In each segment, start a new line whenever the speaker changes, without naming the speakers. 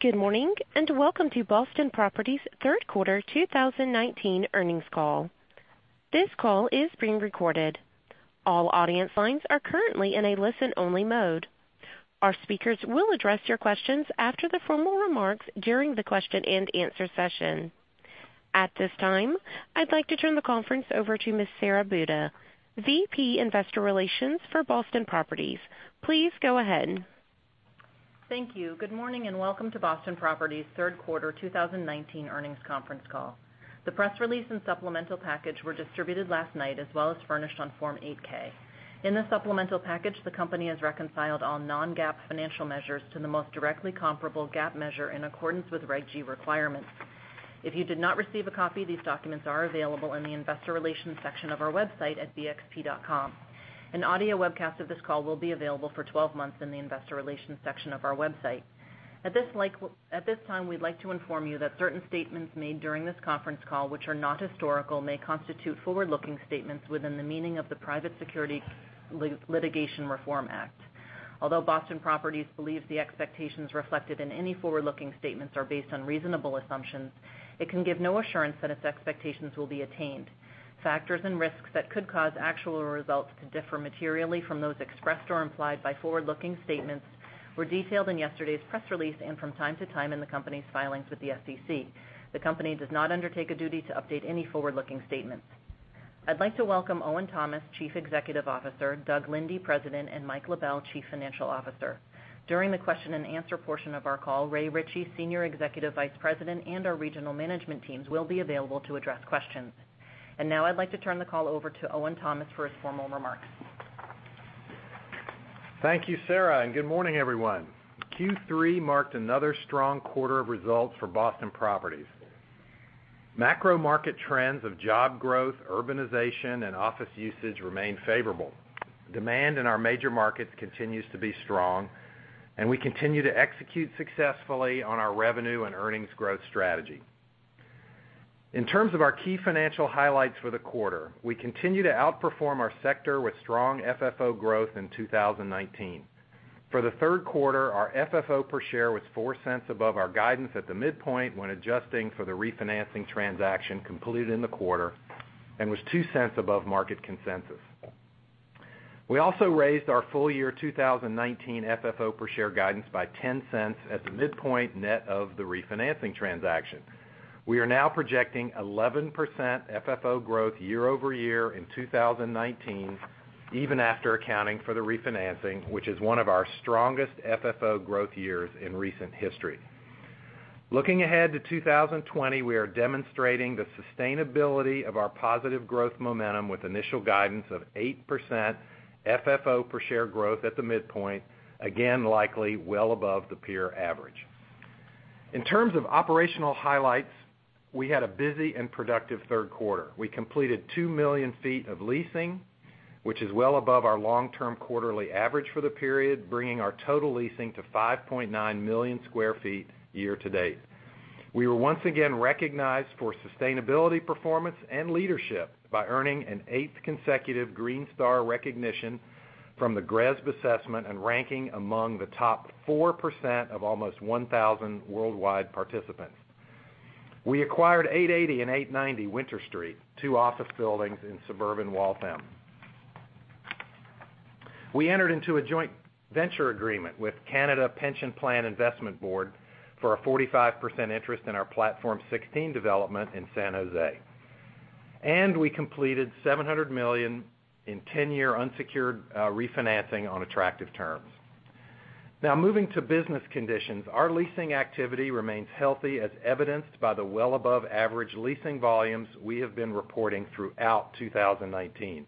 Good morning. Welcome to Boston Properties' third quarter 2019 earnings call. This call is being recorded. All audience lines are currently in a listen-only mode. Our speakers will address your questions after the formal remarks during the question and answer session. At this time, I'd like to turn the conference over to Ms. Sara Buda, VP Investor Relations for Boston Properties. Please go ahead.
Thank you. Good morning, and welcome to Boston Properties' third quarter 2019 earnings conference call. The press release and supplemental package were distributed last night, as well as furnished on Form 8-K. In the supplemental package, the company has reconciled all non-GAAP financial measures to the most directly comparable GAAP measure in accordance with Regulation G requirements. If you did not receive a copy, these documents are available in the investor relations section of our website at bxp.com. An audio webcast of this call will be available for 12 months in the investor relations section of our website. At this time, we'd like to inform you that certain statements made during this conference call, which are not historical, may constitute forward-looking statements within the meaning of the Private Securities Litigation Reform Act. Although Boston Properties believes the expectations reflected in any forward-looking statements are based on reasonable assumptions, it can give no assurance that its expectations will be attained. Factors and risks that could cause actual results to differ materially from those expressed or implied by forward-looking statements were detailed in yesterday's press release and from time to time in the company's filings with the SEC. The company does not undertake a duty to update any forward-looking statements. I'd like to welcome Owen Thomas, Chief Executive Officer, Doug Linde, President, and Mike LaBelle, Chief Financial Officer. During the question and answer portion of our call, Ray Ritchey, Senior Executive Vice President, and our regional management teams will be available to address questions. Now I'd like to turn the call over to Owen Thomas for his formal remarks.
Thank you, Sara, good morning, everyone. Q3 marked another strong quarter of results for Boston Properties. Macro market trends of job growth, urbanization, and office usage remain favorable. Demand in our major markets continues to be strong, we continue to execute successfully on our revenue and earnings growth strategy. In terms of our key financial highlights for the quarter, we continue to outperform our sector with strong FFO growth in 2019. For the third quarter, our FFO per share was $0.04 above our guidance at the midpoint when adjusting for the refinancing transaction completed in the quarter and was $0.02 above market consensus. We also raised our full year 2019 FFO per share guidance by $0.10 at the midpoint net of the refinancing transaction. We are now projecting 11% FFO growth year-over-year in 2019, even after accounting for the refinancing, which is one of our strongest FFO growth years in recent history. Looking ahead to 2020, we are demonstrating the sustainability of our positive growth momentum with initial guidance of 8% FFO per share growth at the midpoint, again, likely well above the peer average. In terms of operational highlights, we had a busy and productive third quarter. We completed 2 million feet of leasing, which is well above our long-term quarterly average for the period, bringing our total leasing to 5.9 million square feet year-to-date. We were once again recognized for sustainability performance and leadership by earning an eighth consecutive Green Star recognition from the GRESB assessment and ranking among the top 4% of almost 1,000 worldwide participants. We acquired 880 and 890 Winter Street, two office buildings in suburban Waltham. We entered into a joint venture agreement with Canada Pension Plan Investment Board for a 45% interest in our Platform 16 development in San Jose. We completed $700 million in 10-year unsecured refinancing on attractive terms. Now moving to business conditions, our leasing activity remains healthy, as evidenced by the well above average leasing volumes we have been reporting throughout 2019.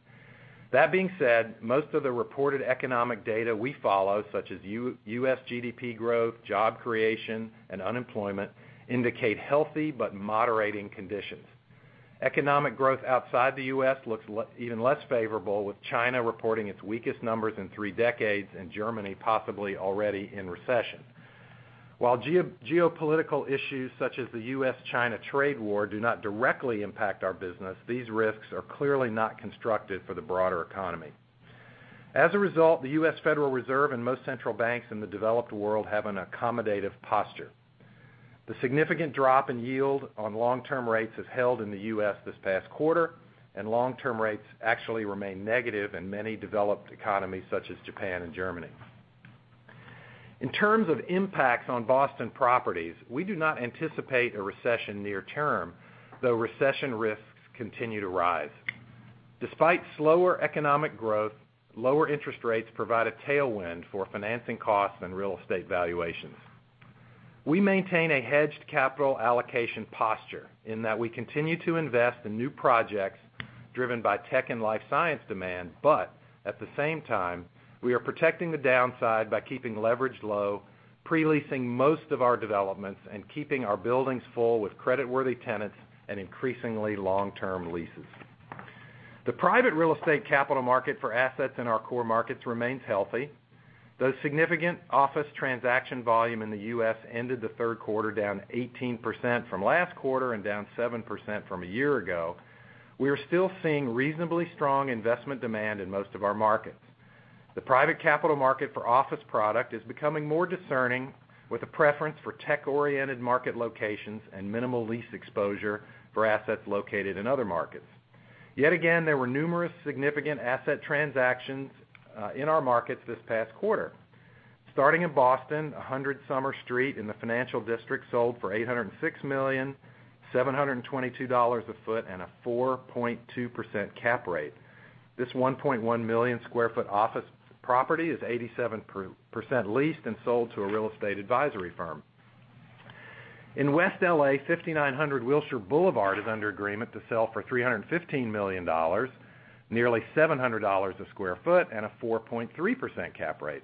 That being said, most of the reported economic data we follow, such as U.S. GDP growth, job creation, and unemployment, indicate healthy but moderating conditions. Economic growth outside the U.S. looks even less favorable, with China reporting its weakest numbers in three decades and Germany possibly already in recession. While geopolitical issues such as the U.S.-China trade war do not directly impact our business, these risks are clearly not constructive for the broader economy. As a result, the US Federal Reserve and most central banks in the developed world have an accommodative posture. The significant drop in yield on long-term rates has held in the U.S. this past quarter, and long-term rates actually remain negative in many developed economies such as Japan and Germany. In terms of impacts on Boston Properties, we do not anticipate a recession near term, though recession risks continue to rise. Despite slower economic growth, lower interest rates provide a tailwind for financing costs and real estate valuations. We maintain a hedged capital allocation posture, in that we continue to invest in new projects driven by tech and life science demand, but at the same time, we are protecting the downside by keeping leverage low, pre-leasing most of our developments, and keeping our buildings full with creditworthy tenants and increasingly long-term leases. The private real estate capital market for assets in our core markets remains healthy. Though significant office transaction volume in the U.S. ended the third quarter down 18% from last quarter and down 7% from a year ago, we are still seeing reasonably strong investment demand in most of our markets. The private capital market for office product is becoming more discerning with a preference for tech-oriented market locations and minimal lease exposure for assets located in other markets. Yet again, there were numerous significant asset transactions in our markets this past quarter. Starting in Boston, 100 Summer Street in the Financial District sold for $806 million, $722 a foot and a 4.2% cap rate. This 1.1-million-square-foot office property is 87% leased and sold to a real estate advisory firm. In West L.A., 5900 Wilshire Boulevard is under agreement to sell for $315 million, nearly $700 a sq ft and a 4.3% cap rate.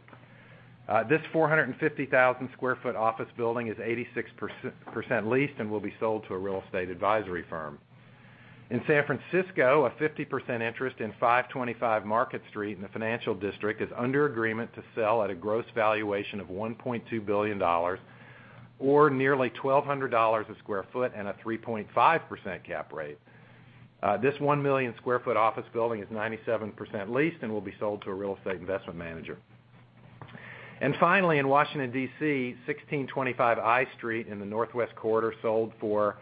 This 450,000 sq ft office building is 86% leased and will be sold to a real estate advisory firm. In San Francisco, a 50% interest in 525 Market Street in the Financial District is under agreement to sell at a gross valuation of $1.2 billion, or nearly $1,200 a sq ft and a 3.5% cap rate. This 1 million sq ft office building is 97% leased and will be sold to a real estate investment manager. Finally, in Washington, D.C., 1625 I Street in the Northwest Corridor sold for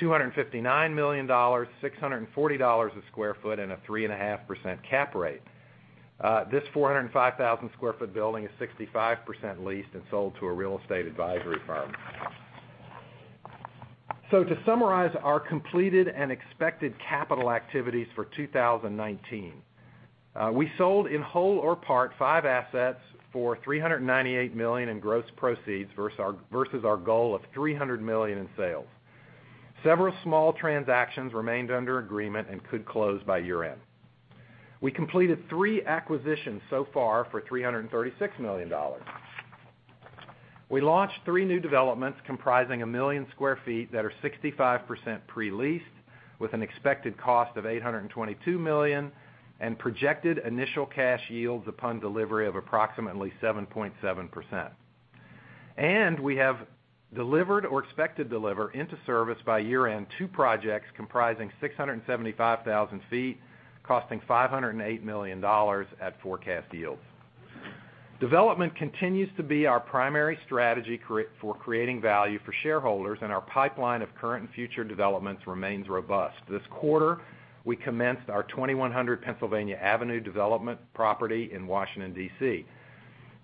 $259 million, $640 a sq ft and a 3.5% cap rate. This 405,000 sq ft building is 65% leased and sold to a real estate advisory firm. To summarize our completed and expected capital activities for 2019. We sold in whole or part five assets for $398 million in gross proceeds versus our goal of $300 million in sales. Several small transactions remained under agreement and could close by year-end. We completed three acquisitions so far for $336 million. We launched three new developments comprising 1 million square feet that are 65% pre-leased with an expected cost of $822 million and projected initial cash yields upon delivery of approximately 7.7%. We have delivered or expect to deliver into service by year-end two projects comprising 675,000 feet costing $508 million at forecast yields. Development continues to be our primary strategy for creating value for shareholders, and our pipeline of current and future developments remains robust. This quarter, we commenced our 2100 Pennsylvania Avenue development property in Washington, D.C.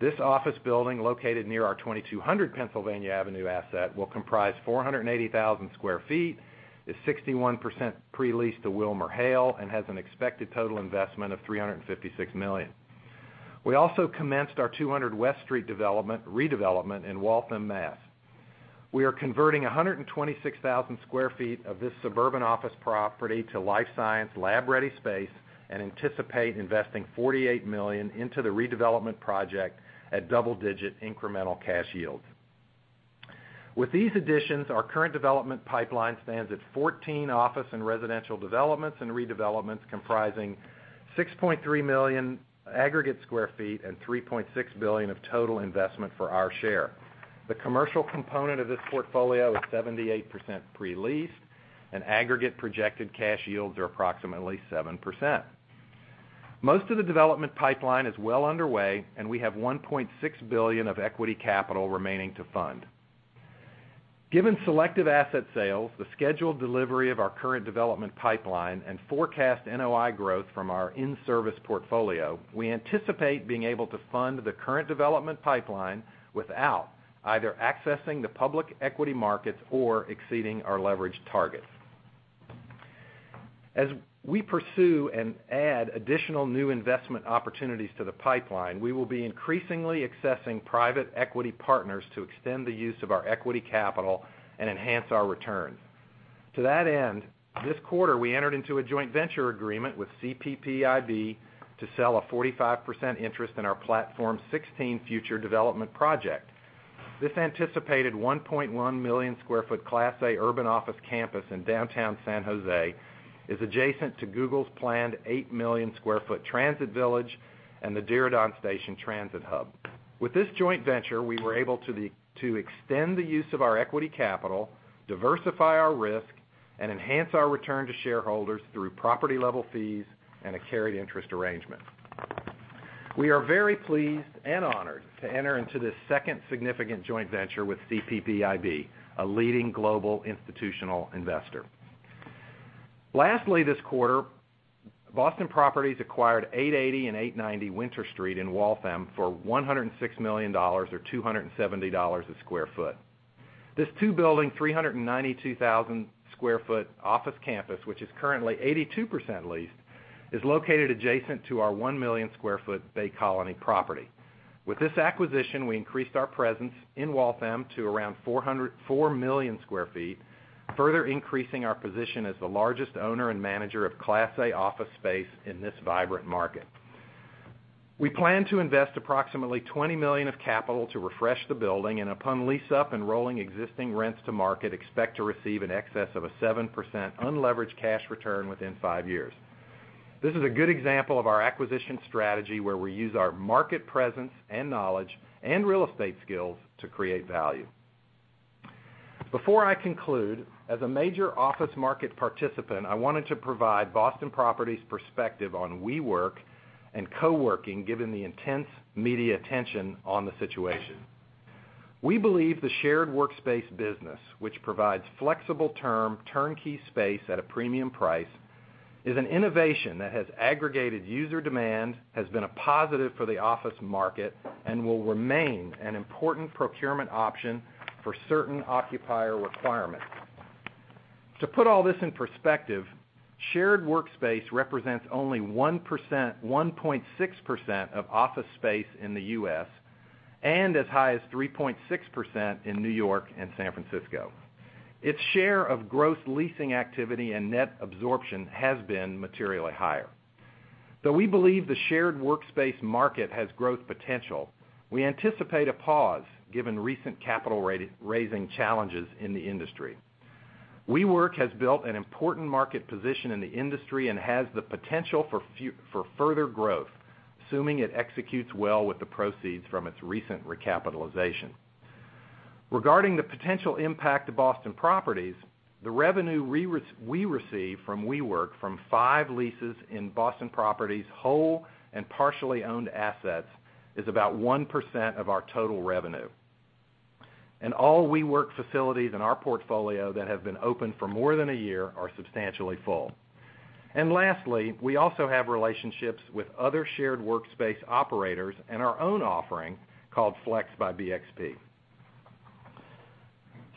This office building, located near our 2200 Pennsylvania Avenue asset, will comprise 480,000 square feet, is 61% pre-leased to WilmerHale and has an expected total investment of $356 million. We also commenced our 200 West Street redevelopment in Waltham, Mass. We are converting 126,000 square feet of this suburban office property to life science lab-ready space and anticipate investing $48 million into the redevelopment project at double-digit incremental cash yields. With these additions, our current development pipeline stands at 14 office and residential developments and redevelopments comprising 6.3 million aggregate square feet and $3.6 billion of total investment for our share. The commercial component of this portfolio is 78% pre-leased and aggregate projected cash yields are approximately 7%. Most of the development pipeline is well underway, and we have $1.6 billion of equity capital remaining to fund. Given selective asset sales, the scheduled delivery of our current development pipeline, and forecast NOI growth from our in-service portfolio, we anticipate being able to fund the current development pipeline without either accessing the public equity markets or exceeding our leverage targets. We pursue and add additional new investment opportunities to the pipeline, we will be increasingly accessing private equity partners to extend the use of our equity capital and enhance our returns. To that end, this quarter, we entered into a joint venture agreement with CPPIB to sell a 45% interest in our Platform16 future development project. This anticipated 1.1-million-square-foot class A urban office campus in downtown San Jose is adjacent to Google's planned eight-million-square-foot Transit Village and the Diridon Station transit hub. With this joint venture, we were able to extend the use of our equity capital, diversify our risk, and enhance our return to shareholders through property-level fees and a carried interest arrangement. We are very pleased and honored to enter into this second significant joint venture with CPPIB, a leading global institutional investor. Lastly, this quarter, Boston Properties acquired 880 and 890 Winter Street in Waltham for $106 million or $270 a sq ft. This two-building, 392,000 sq ft office campus, which is currently 82% leased, is located adjacent to our one-million-sq-ft Bay Colony property. With this acquisition, we increased our presence in Waltham to around four million sq ft, further increasing our position as the largest owner and manager of class A office space in this vibrant market. We plan to invest approximately $20 million of capital to refresh the building, and upon lease-up and rolling existing rents to market, expect to receive in excess of a 7% unleveraged cash return within five years. This is a good example of our acquisition strategy, where we use our market presence and knowledge and real estate skills to create value. Before I conclude, as a major office market participant, I wanted to provide Boston Properties' perspective on WeWork and co-working, given the intense media attention on the situation. We believe the shared workspace business, which provides flexible term, turnkey space at a premium price, is an innovation that has aggregated user demand, has been a positive for the office market, and will remain an important procurement option for certain occupier requirements. To put all this in perspective, shared workspace represents only 1.6% of office space in the U.S., and as high as 3.6% in New York and San Francisco. Its share of gross leasing activity and net absorption has been materially higher. Though we believe the shared workspace market has growth potential, we anticipate a pause given recent capital raising challenges in the industry. WeWork has built an important market position in the industry and has the potential for further growth, assuming it executes well with the proceeds from its recent recapitalization. Regarding the potential impact to Boston Properties, the revenue we receive from WeWork from five leases in Boston Properties' whole and partially owned assets is about 1% of our total revenue. All WeWork facilities in our portfolio that have been open for more than a year are substantially full. Lastly, we also have relationships with other shared workspace operators and our own offering called Flex by BXP.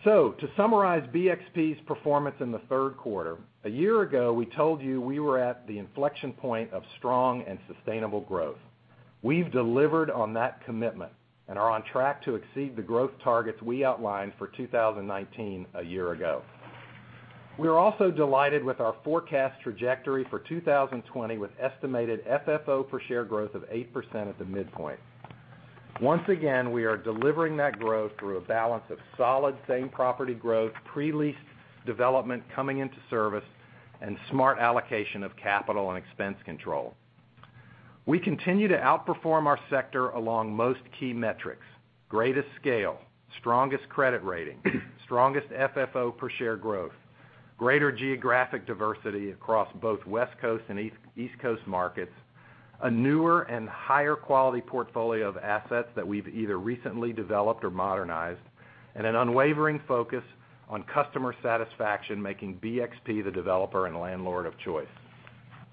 To summarize BXP's performance in the third quarter, a year ago, we told you we were at the inflection point of strong and sustainable growth. We've delivered on that commitment and are on track to exceed the growth targets we outlined for 2019 a year ago. We are also delighted with our forecast trajectory for 2020, with estimated FFO per share growth of 8% at the midpoint. Once again, we are delivering that growth through a balance of solid same-property growth, pre-leased development coming into service, and smart allocation of capital and expense control. We continue to outperform our sector along most key metrics, greatest scale, strongest credit rating, strongest FFO per share growth, greater geographic diversity across both West Coast and East Coast markets, a newer and higher quality portfolio of assets that we've either recently developed or modernized, and an unwavering focus on customer satisfaction, making BXP the developer and landlord of choice.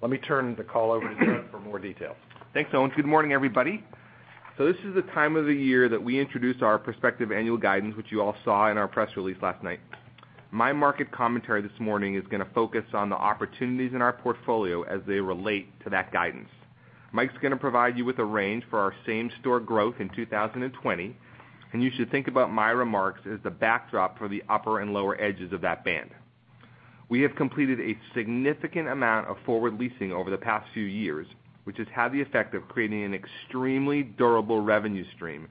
Let me turn the call over to Doug for more details.
Thanks, Owen. Good morning, everybody. This is the time of the year that we introduce our prospective annual guidance, which you all saw in our press release last night. My market commentary this morning is going to focus on the opportunities in our portfolio as they relate to that guidance. Mike's going to provide you with a range for our same-store growth in 2020, and you should think about my remarks as the backdrop for the upper and lower edges of that band. We have completed a significant amount of forward leasing over the past few years, which has had the effect of creating an extremely durable revenue stream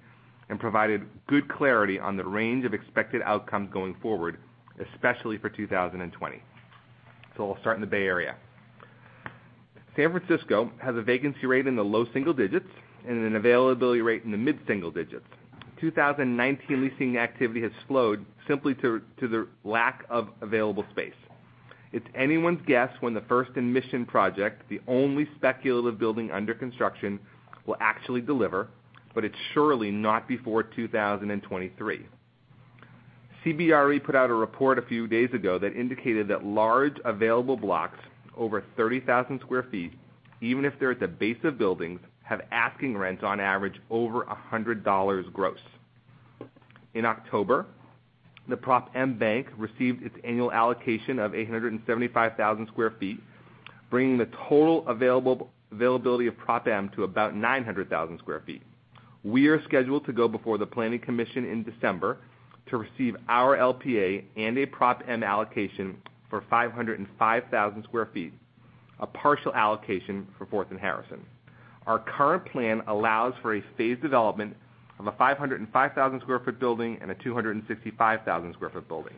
and provided good clarity on the range of expected outcomes going forward, especially for 2020. I'll start in the Bay Area. San Francisco has a vacancy rate in the low single digits and an availability rate in the mid single digits. 2019 leasing activity has slowed simply due to the lack of available space. It's anyone's guess when the First and Mission project, the only speculative building under construction, will actually deliver, but it's surely not before 2023. CBRE put out a report a few days ago that indicated that large available blocks over 30,000 sq ft, even if they're at the base of buildings, have asking rents on average over $100 gross. In October, the Prop M bank received its annual allocation of 875,000 sq ft, bringing the total availability of Prop M to about 900,000 sq ft. We are scheduled to go before the Planning Commission in December to receive our LPA and a Prop M allocation for 505,000 sq ft, a partial allocation for Fourth and Harrison. Our current plan allows for a phased development of a 505,000-square-foot building and a 265,000-square-foot building.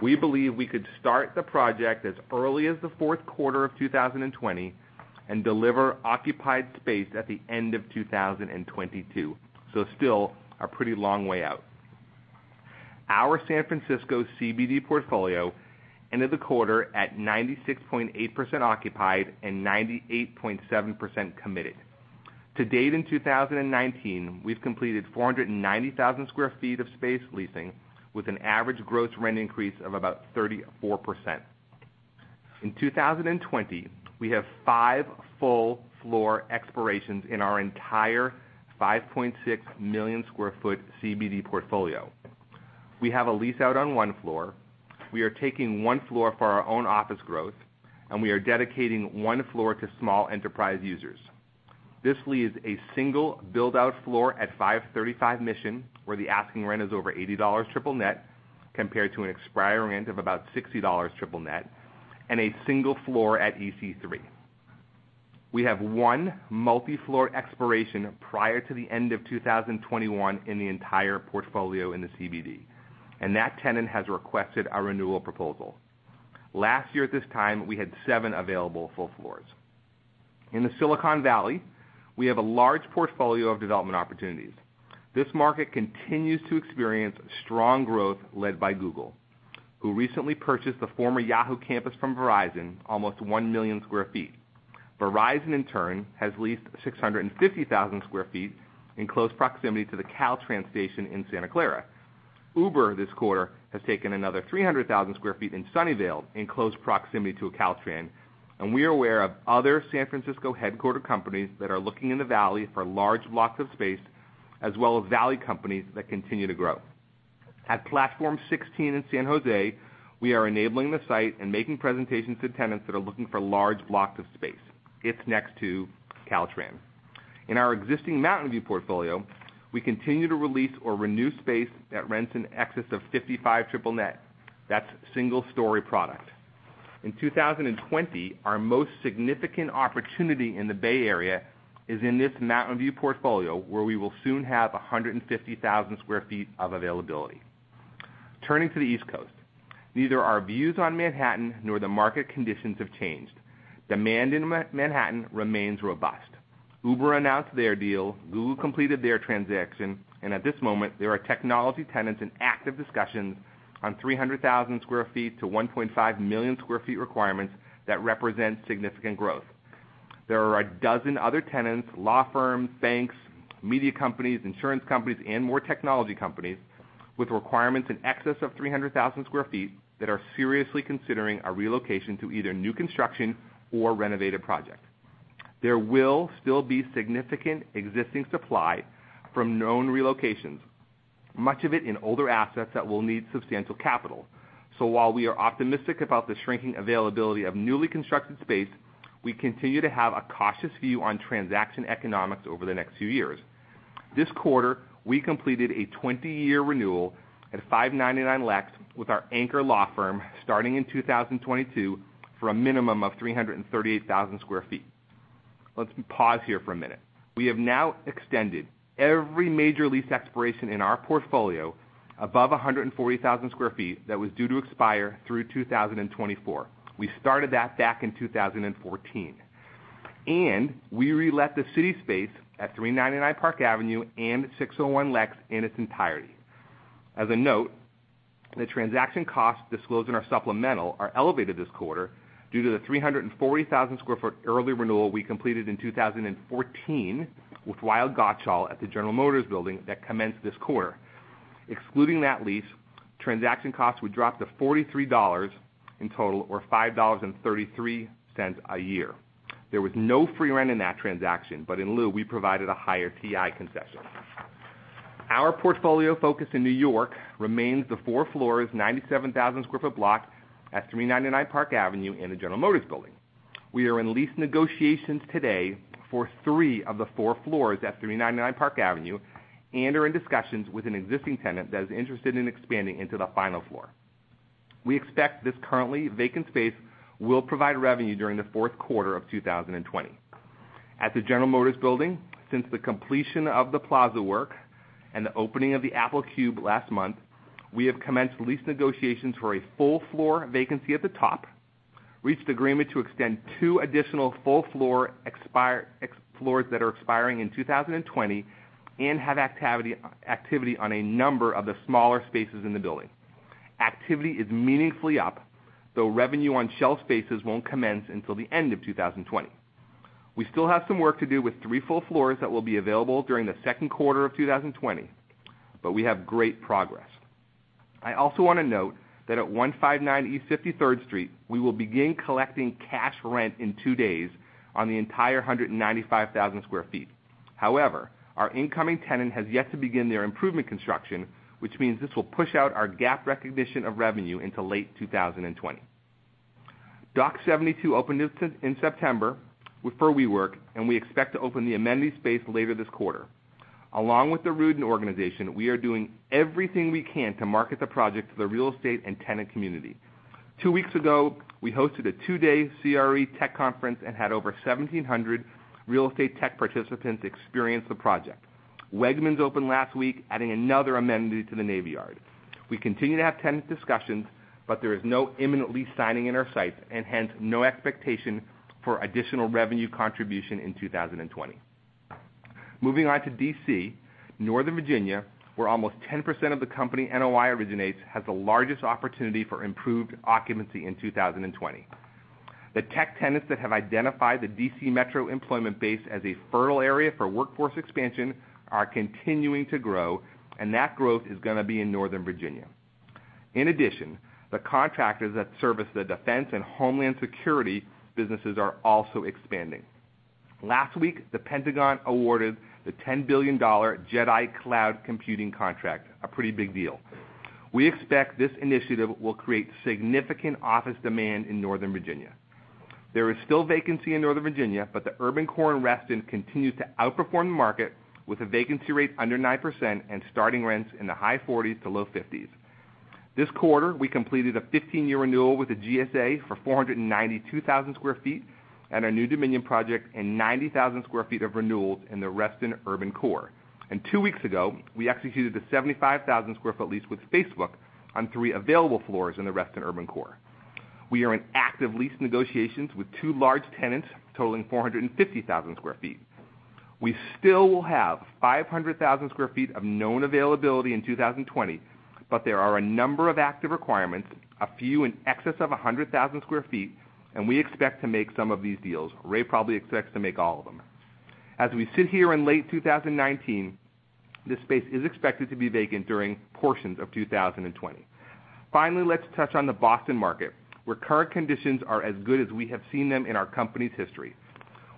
We believe we could start the project as early as the fourth quarter of 2020 and deliver occupied space at the end of 2022. Still a pretty long way out. Our San Francisco CBD portfolio ended the quarter at 96.8% occupied and 98.7% committed. To date, in 2019, we've completed 490,000 square feet of space leasing, with an average gross rent increase of about 34%. In 2020, we have five full floor expirations in our entire 5.6 million square foot CBD portfolio. We have a lease out on one floor. We are taking one floor for our own office growth, and we are dedicating one floor to small enterprise users. This leaves a single build-out floor at 535 Mission, where the asking rent is over $80 triple net, compared to an expiry rent of about $60 triple net, and a single floor at EC3. We have one multi-floor expiration prior to the end of 2021 in the entire portfolio in the CBD, and that tenant has requested a renewal proposal. Last year at this time, we had seven available full floors. In the Silicon Valley, we have a large portfolio of development opportunities. This market continues to experience strong growth led by Google, who recently purchased the former Yahoo campus from Verizon, almost 1 million square feet. Verizon, in turn, has leased 650,000 square feet in close proximity to the Caltrain station in Santa Clara. Uber this quarter has taken another 300,000 sq ft in Sunnyvale in close proximity to a Caltrain. We are aware of other San Francisco-headquartered companies that are looking in the Valley for large blocks of space, as well as Valley companies that continue to grow. At Platform 16 in San Jose, we are enabling the site and making presentations to tenants that are looking for large blocks of space. It's next to Caltrain. In our existing Mountain View portfolio, we continue to re-lease or renew space at rents in excess of $55 triple net. That's single story product. In 2020, our most significant opportunity in the Bay Area is in this Mountain View portfolio, where we will soon have 150,000 sq ft of availability. Turning to the East Coast, neither our views on Manhattan nor the market conditions have changed. Demand in Manhattan remains robust. Uber announced their deal, Google completed their transaction. At this moment, there are technology tenants in active discussions on 300,000 sq ft to 1.5 million sq ft requirements that represent significant growth. There are a dozen other tenants, law firms, banks, media companies, insurance companies, and more technology companies with requirements in excess of 300,000 sq ft that are seriously considering a relocation to either new construction or renovated projects. There will still be significant existing supply from known relocations, much of it in older assets that will need substantial capital. While we are optimistic about the shrinking availability of newly constructed space, we continue to have a cautious view on transaction economics over the next few years. This quarter, we completed a 20-year renewal at 599 Lex with our anchor law firm starting in 2022 for a minimum of 338,000 sq ft. Let's pause here for a minute. We have now extended every major lease expiration in our portfolio above 140,000 square feet that was due to expire through 2024. We started that back in 2014. We re-let the Citi space at 399 Park Avenue and 601 Lex in its entirety. As a note, the transaction costs disclosed in our supplemental are elevated this quarter due to the 340,000 square foot early renewal we completed in 2014 with Weil, Gotshal at the General Motors building that commenced this quarter. Excluding that lease, transaction costs would drop to $43 in total or $5.33 a year. There was no free rent in that transaction, but in lieu, we provided a higher TI concession. Our portfolio focus in New York remains the four floors, 97,000 square foot block at 399 Park Avenue in the General Motors building. We are in lease negotiations today for three of the four floors at 399 Park Avenue and are in discussions with an existing tenant that is interested in expanding into the final floor. We expect this currently vacant space will provide revenue during the fourth quarter of 2020. At the General Motors building, since the completion of the plaza work and the opening of the Apple Cube last month, we have commenced lease negotiations for a full floor vacancy at the top, reached agreement to extend two additional full floors that are expiring in 2020, and have activity on a number of the smaller spaces in the building. Activity is meaningfully up, though revenue on shelf spaces won't commence until the end of 2020. We still have some work to do with three full floors that will be available during the second quarter of 2020, but we have great progress. I also want to note that at 159 East 53rd Street, we will begin collecting cash rent in two days on the entire 195,000 square feet. Our incoming tenant has yet to begin their improvement construction, which means this will push out our GAAP recognition of revenue into late 2020. Dock 72 opened in September with WeWork, and we expect to open the amenity space later this quarter. Along with the Rudin Organization, we are doing everything we can to market the project to the real estate and tenant community. Two weeks ago, we hosted a two-day CRE tech conference and had over 1,700 real estate tech participants experience the project. Wegmans opened last week, adding another amenity to the Navy Yard. We continue to have tenant discussions, but there is no imminent lease signing in our sights, and hence, no expectation for additional revenue contribution in 2020. Moving on to D.C., Northern Virginia, where almost 10% of the company NOI originates, has the largest opportunity for improved occupancy in 2020. The tech tenants that have identified the D.C. metro employment base as a fertile area for workforce expansion are continuing to grow, and that growth is going to be in Northern Virginia. In addition, the contractors that service the defense and homeland security businesses are also expanding. Last week, the Pentagon awarded the $10 billion JEDI Cloud Computing contract, a pretty big deal. We expect this initiative will create significant office demand in Northern Virginia. There is still vacancy in Northern Virginia, but the urban core in Reston continued to outperform the market with a vacancy rate under 9% and starting rents in the high $40s to low $50s. This quarter, we completed a 15-year renewal with the GSA for 492,000 square feet at our New Dominion project and 90,000 square feet of renewals in the Reston urban core. Two weeks ago, we executed the 75,000-square-foot lease with Facebook on three available floors in the Reston urban core. We are in active lease negotiations with two large tenants totaling 450,000 square feet. We still will have 500,000 square feet of known availability in 2020, there are a number of active requirements, a few in excess of 100,000 square feet, and we expect to make some of these deals. Ray probably expects to make all of them. As we sit here in late 2019, this space is expected to be vacant during portions of 2020. Let's touch on the Boston market, where current conditions are as good as we have seen them in our company's history.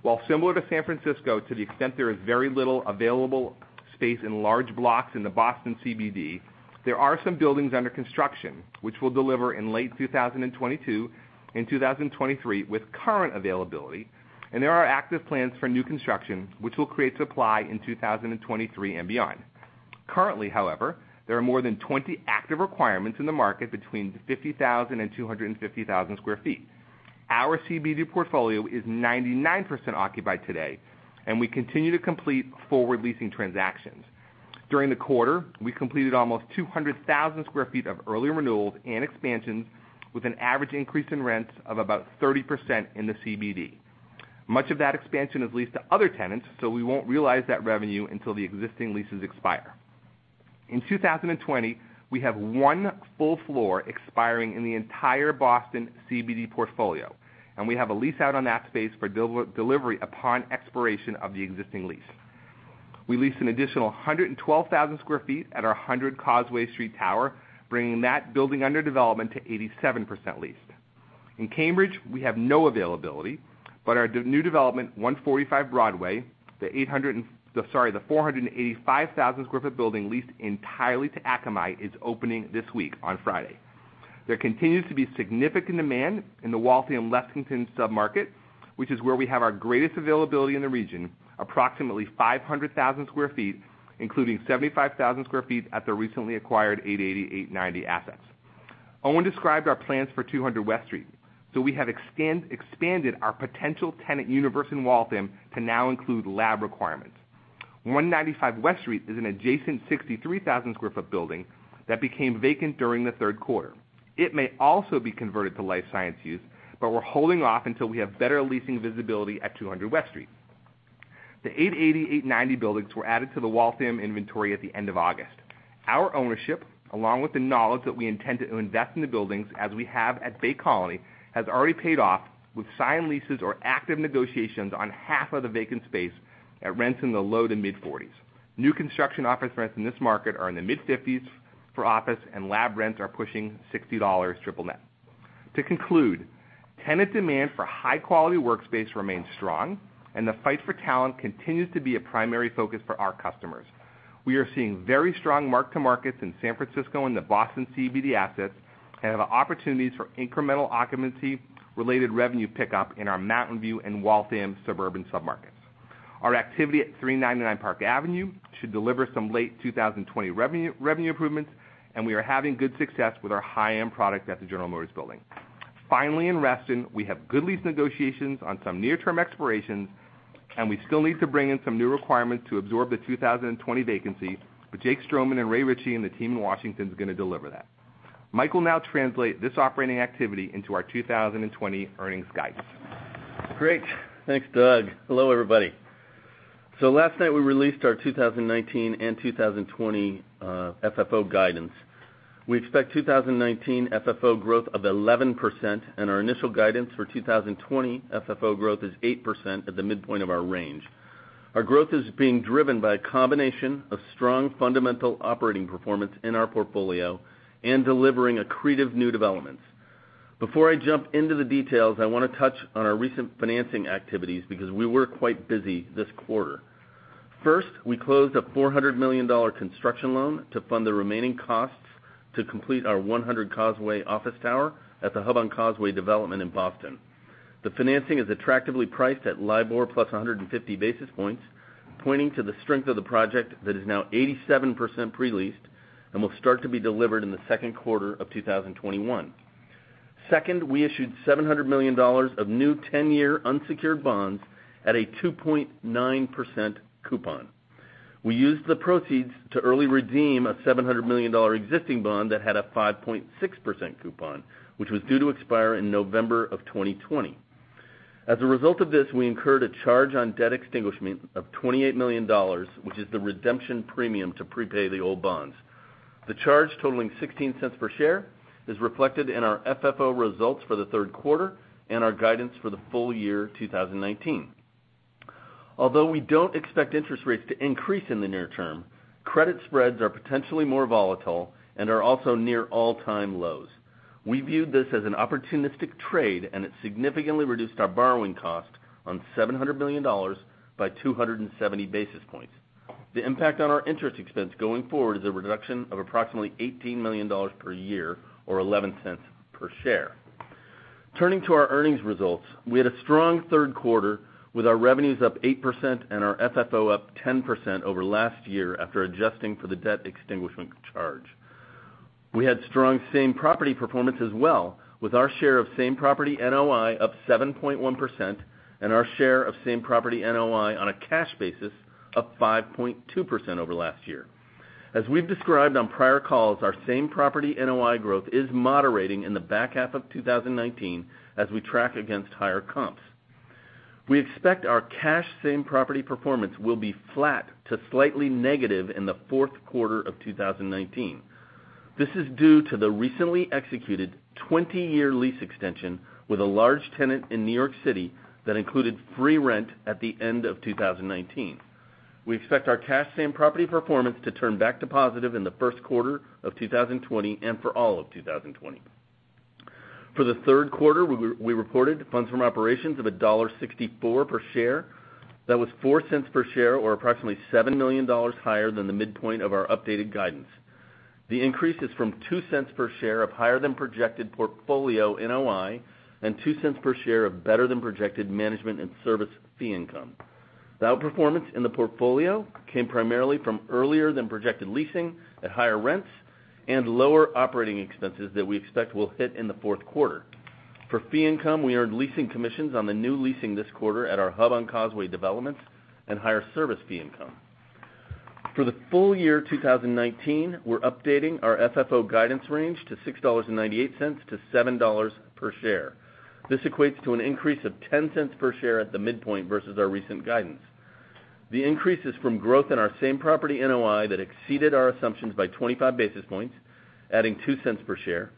While similar to San Francisco to the extent there is very little available space in large blocks in the Boston CBD, there are some buildings under construction, which will deliver in late 2022 and 2023 with current availability, and there are active plans for new construction, which will create supply in 2023 and beyond. Currently, however, there are more than 20 active requirements in the market between 50,000 and 250,000 square feet. Our CBD portfolio is 99% occupied today, and we continue to complete forward leasing transactions. During the quarter, we completed almost 200,000 square feet of early renewals and expansions with an average increase in rents of about 30% in the CBD. Much of that expansion is leased to other tenants, so we won't realize that revenue until the existing leases expire. In 2020, we have one full floor expiring in the entire Boston CBD portfolio, and we have a lease out on that space for delivery upon expiration of the existing lease. We leased an additional 112,000 sq ft at our 100 Causeway Street tower, bringing that building under development to 87% leased. In Cambridge, we have no availability, but our new development, 145 Broadway, the 485,000 sq ft building leased entirely to Akamai, is opening this week on Friday. There continues to be significant demand in the Waltham-Lexington sub-market, which is where we have our greatest availability in the region, approximately 500,000 sq ft, including 75,000 sq ft at the recently acquired 880-890 assets. Owen described our plans for 200 West Street, so we have expanded our potential tenant universe in Waltham to now include lab requirements. 195 West Street is an adjacent 63,000 sq ft building that became vacant during the third quarter. It may also be converted to life science use, but we're holding off until we have better leasing visibility at 200 West Street. The 880-890 buildings were added to the Waltham inventory at the end of August. Our ownership, along with the knowledge that we intend to invest in the buildings as we have at Bay Colony, has already paid off with signed leases or active negotiations on half of the vacant space at rents in the low to mid-$40s. New construction office rents in this market are in the mid-$50s for office, and lab rents are pushing $60 triple net. To conclude, tenant demand for high-quality workspace remains strong, and the fight for talent continues to be a primary focus for our customers. We are seeing very strong mark-to-markets in San Francisco and the Boston CBD assets and have opportunities for incremental occupancy-related revenue pickup in our Mountain View and Waltham suburban sub-markets. Our activity at 399 Park Avenue should deliver some late 2020 revenue improvements. We are having good success with our high-end product at the General Motors building. Finally, in Reston, we have good lease negotiations on some near-term expirations. We still need to bring in some new requirements to absorb the 2020 vacancy. Jake Strommer and Ray Ritchey and the team in Washington is going to deliver that. Mike will now translate this operating activity into our 2020 earnings guidance.
Great. Thanks, Doug. Hello, everybody. Last night we released our 2019 and 2020 FFO guidance. We expect 2019 FFO growth of 11%, and our initial guidance for 2020 FFO growth is 8% at the midpoint of our range. Our growth is being driven by a combination of strong fundamental operating performance in our portfolio and delivering accretive new developments. Before I jump into the details, I want to touch on our recent financing activities because we were quite busy this quarter. First, we closed a $400 million construction loan to fund the remaining costs to complete our 100 Causeway office tower at The Hub on Causeway development in Boston. The financing is attractively priced at LIBOR plus 150 basis points, pointing to the strength of the project that is now 87% pre-leased and will start to be delivered in the second quarter of 2021. Second, we issued $700 million of new 10-year unsecured bonds at a 2.9% coupon. We used the proceeds to early redeem a $700 million existing bond that had a 5.6% coupon, which was due to expire in November of 2020. As a result of this, we incurred a charge on debt extinguishment of $28 million, which is the redemption premium to prepay the old bonds. The charge totaling $0.16 per share is reflected in our FFO results for the third quarter and our guidance for the full year 2019. Although we don't expect interest rates to increase in the near term, credit spreads are potentially more volatile and are also near all-time lows. We viewed this as an opportunistic trade, and it significantly reduced our borrowing cost on $700 million by 270 basis points. The impact on our interest expense going forward is a reduction of approximately $18 million per year or $0.11 per share. Turning to our earnings results, we had a strong third quarter with our revenues up 8% and our FFO up 10% over last year after adjusting for the debt extinguishment charge. We had strong same property performance as well, with our share of same property NOI up 7.1% and our share of same-property NOI on a cash basis, up 5.2% over last year. As we've described on prior calls, our same-property NOI growth is moderating in the back half of 2019 as we track against higher comps. We expect our cash same-property performance will be flat to slightly negative in the fourth quarter of 2019. This is due to the recently executed 20-year lease extension with a large tenant in New York City that included free rent at the end of 2019. We expect our cash same-property performance to turn back to positive in the first quarter of 2020, and for all of 2020. For the third quarter, we reported funds from operations of $1.64 per share. That was $0.04 per share, or approximately $7 million higher than the midpoint of our updated guidance. The increase is from $0.02 per share of higher than projected portfolio NOI, and $0.02 per share of better than projected management and service fee income. The outperformance in the portfolio came primarily from earlier than projected leasing at higher rents, and lower operating expenses that we expect will hit in the fourth quarter. For fee income, we earned leasing commissions on the new leasing this quarter at our Hub on Causeway development, and higher service fee income. For the full year 2019, we're updating our FFO guidance range to $6.98-$7 per share. This equates to an increase of $0.10 per share at the midpoint versus our recent guidance. The increase is from growth in our same-property NOI that exceeded our assumptions by 25 basis points, adding $0.02 per share.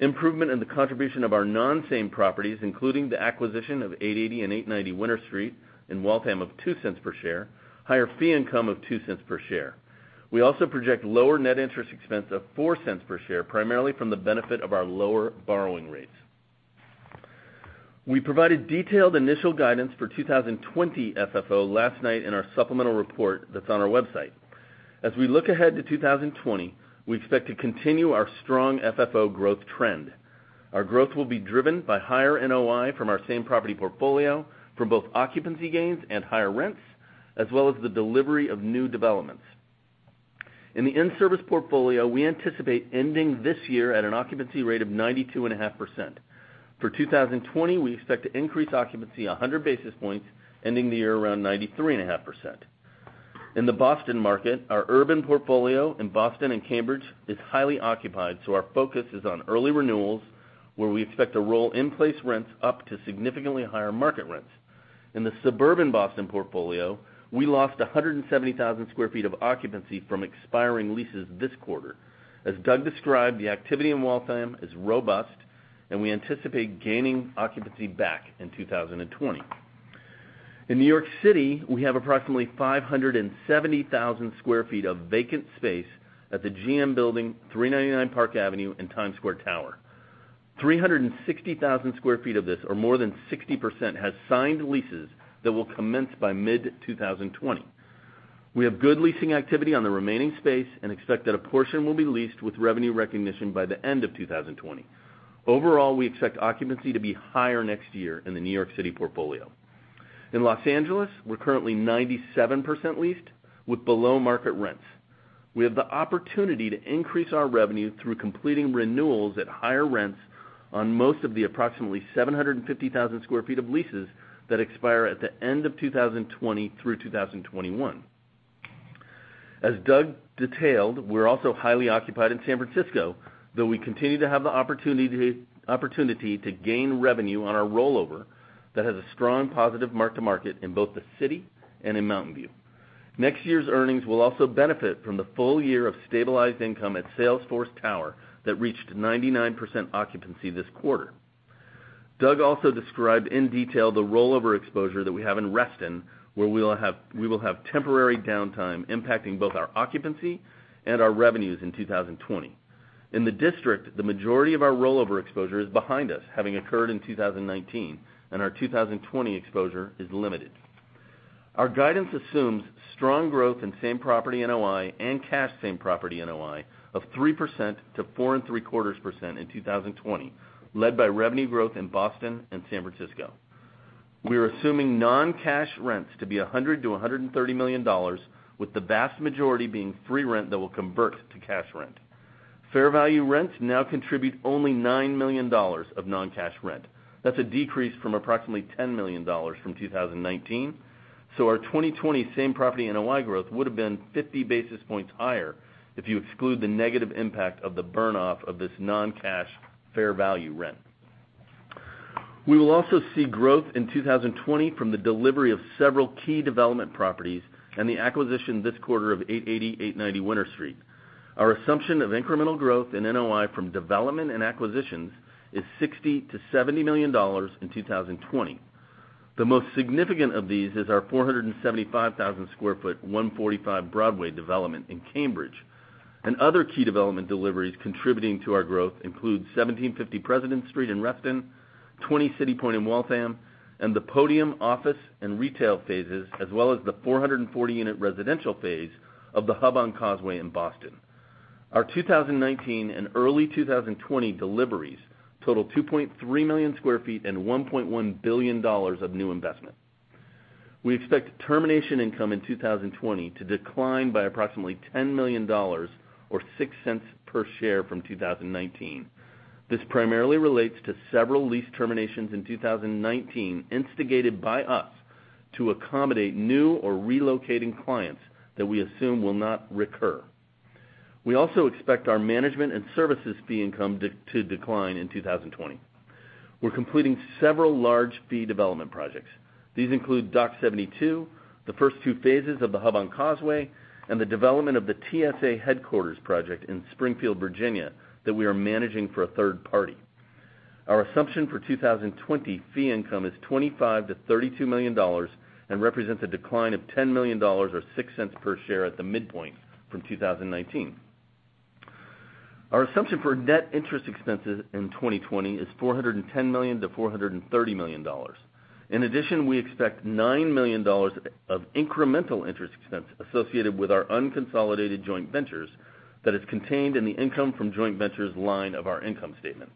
Improvement in the contribution of our non-same properties, including the acquisition of 880 and 890 Winter Street in Waltham, of $0.02 per share. Higher fee income of $0.02 per share. We also project lower net interest expense of $0.04 per share, primarily from the benefit of our lower borrowing rates. We provided detailed initial guidance for 2020 FFO last night in our supplemental report that's on our website. As we look ahead to 2020, we expect to continue our strong FFO growth trend. Our growth will be driven by higher NOI from our same-property portfolio, from both occupancy gains and higher rents, as well as the delivery of new developments. In the in-service portfolio, we anticipate ending this year at an occupancy rate of 92.5%. For 2020, we expect to increase occupancy 100 basis points, ending the year around 93.5%. In the Boston market, our urban portfolio in Boston and Cambridge is highly occupied, so our focus is on early renewals, where we expect to roll in-place rents up to significantly higher market rents. In the suburban Boston portfolio, we lost 170,000 square feet of occupancy from expiring leases this quarter. As Doug described, the activity in Waltham is robust. We anticipate gaining occupancy back in 2020. In New York City, we have approximately 570,000 sq ft of vacant space at the GM Building, 399 Park Avenue, and Times Square Tower. 360,000 sq ft of this, or more than 60%, has signed leases that will commence by mid-2020. We have good leasing activity on the remaining space. We expect that a portion will be leased with revenue recognition by the end of 2020. Overall, we expect occupancy to be higher next year in the New York City portfolio. In Los Angeles, we're currently 97% leased with below-market rents. We have the opportunity to increase our revenue through completing renewals at higher rents on most of the approximately 750,000 sq ft of leases that expire at the end of 2020 through 2021. As Doug detailed, we are also highly occupied in San Francisco, though we continue to have the opportunity to gain revenue on our rollover that has a strong positive mark to market in both the city and in Mountain View. Next year's earnings will also benefit from the full year of stabilized income at Salesforce Tower that reached 99% occupancy this quarter. Doug also described in detail the rollover exposure that we have in Reston, where we will have temporary downtime, impacting both our occupancy and our revenues in 2020. In the District, the majority of our rollover exposure is behind us, having occurred in 2019, and our 2020 exposure is limited. Our guidance assumes strong growth in same-property NOI and cash same-property NOI of 3%-4.75% in 2020, led by revenue growth in Boston and San Francisco. We are assuming non-cash rents to be $100 million-$130 million, with the vast majority being free rent that will convert to cash rent. Fair value rents now contribute only $9 million of non-cash rent. That's a decrease from approximately $10 million from 2019. Our 2020 same-property NOI growth would've been 50 basis points higher if you exclude the negative impact of the burn-off of this non-cash fair value rent. We will also see growth in 2020 from the delivery of several key development properties and the acquisition this quarter of 880, 890 Winter Street. Our assumption of incremental growth in NOI from development and acquisitions is $60 million-$70 million in 2020. The most significant of these is our 475,000 sq ft 145 Broadway development in Cambridge. Other key development deliveries contributing to our growth include 1750 Presidents Street in Reston, 20 CityPoint in Waltham, and The Podium office and retail phases, as well as the 440-unit residential phase of The Hub on Causeway in Boston. Our 2019 and early 2020 deliveries total 2.3 million sq ft and $1.1 billion of new investment. We expect termination income in 2020 to decline by approximately $10 million or $0.06 per share from 2019. This primarily relates to several lease terminations in 2019 instigated by us to accommodate new or relocating clients that we assume will not recur. We also expect our management and services fee income to decline in 2020. We're completing several large fee development projects. These include Dock72, the first two phases of The Hub on Causeway, and the development of the TSA headquarters project in Springfield, Virginia, that we are managing for a third party. Our assumption for 2020 fee income is $25 million-$32 million and represents a decline of $10 million or $0.06 per share at the midpoint from 2019. Our assumption for net interest expenses in 2020 is $410 million-$430 million. In addition, we expect $9 million of incremental interest expense associated with our unconsolidated joint ventures that is contained in the income from joint ventures line of our income statement.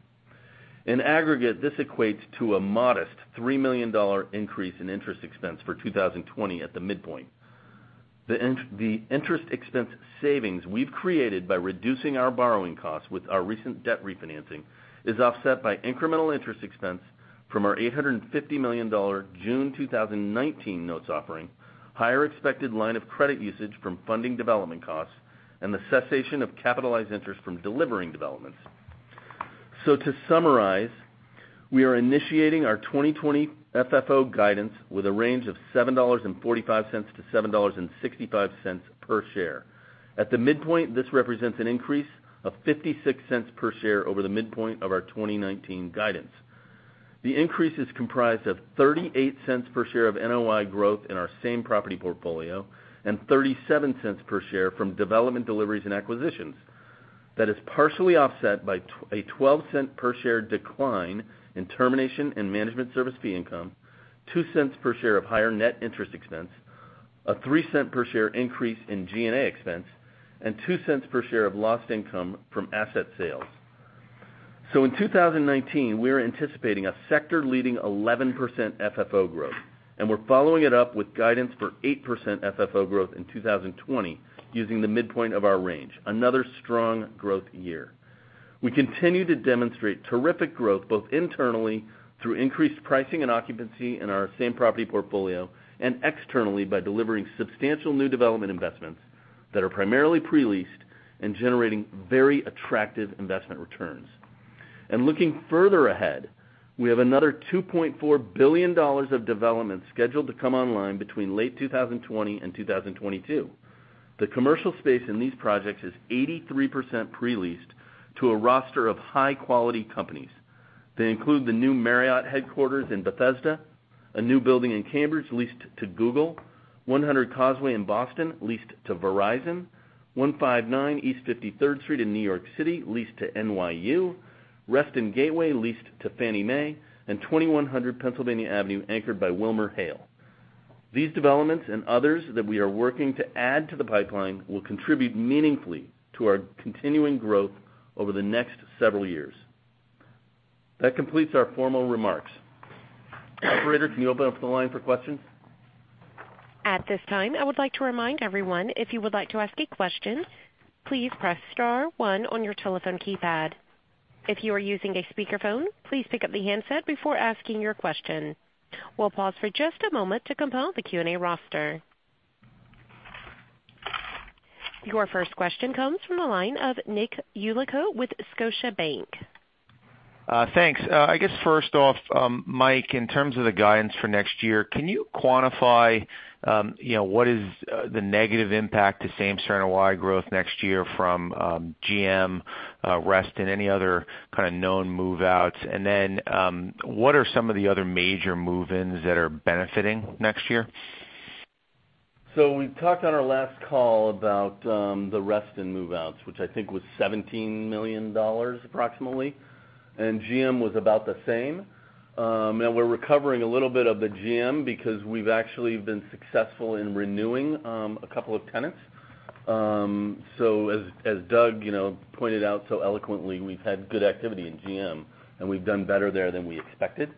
In aggregate, this equates to a modest $3 million increase in interest expense for 2020 at the midpoint. The interest expense savings we've created by reducing our borrowing costs with our recent debt refinancing is offset by incremental interest expense from our $850 million June 2019 notes offering, higher expected line of credit usage from funding development costs, and the cessation of capitalized interest from delivering developments. To summarize, we are initiating our 2020 FFO guidance with a range of $7.45 to $7.65 per share. At the midpoint, this represents an increase of $0.56 per share over the midpoint of our 2019 guidance. The increase is comprised of $0.38 per share of NOI growth in our same-property portfolio and $0.37 per share from development deliveries and acquisitions. That is partially offset by a $0.12 per share decline in termination and management service fee income, $0.02 per share of higher net interest expense, a $0.03 per share increase in G&A expense, and $0.02 per share of lost income from asset sales. In 2019, we are anticipating a sector-leading 11% FFO growth, and we're following it up with guidance for 8% FFO growth in 2020 using the midpoint of our range, another strong growth year. We continue to demonstrate terrific growth, both internally through increased pricing and occupancy in our same-property portfolio, and externally by delivering substantial new development investments that are primarily pre-leased and generating very attractive investment returns. Looking further ahead, we have another $2.4 billion of development scheduled to come online between late 2020 and 2022. The commercial space in these projects is 83% pre-leased to a roster of high-quality companies. They include the new Marriott headquarters in Bethesda, a new building in Cambridge leased to Google, 100 Causeway in Boston leased to Verizon, 159 East 53rd Street in New York City leased to NYU, Reston Gateway leased to Fannie Mae, and 2100 Pennsylvania Avenue, anchored by WilmerHale. These developments and others that we are working to add to the pipeline will contribute meaningfully to our continuing growth over the next several years. That completes our formal remarks. Operator, can you open up the line for questions?
At this time, I would like to remind everyone, if you would like to ask a question, please press star one on your telephone keypad. If you are using a speakerphone, please pick up the handset before asking your question. We'll pause for just a moment to compile the Q&A roster. Your first question comes from the line of Nick Yulico with Scotiabank.
Thanks. I guess first off, Mike, in terms of the guidance for next year, can you quantify what is the negative impact to same-store NOI growth next year from GSA, Reston, any other kind of known move-outs? What are some of the other major move-ins that are benefiting next year?
We talked on our last call about the Reston move-outs, which I think was $17 million approximately, and GSA was about the same. We're recovering a little bit of the GSA because we've actually been successful in renewing a couple of tenants. As Doug pointed out so eloquently, we've had good activity in GSA, and we've done better there than we expected.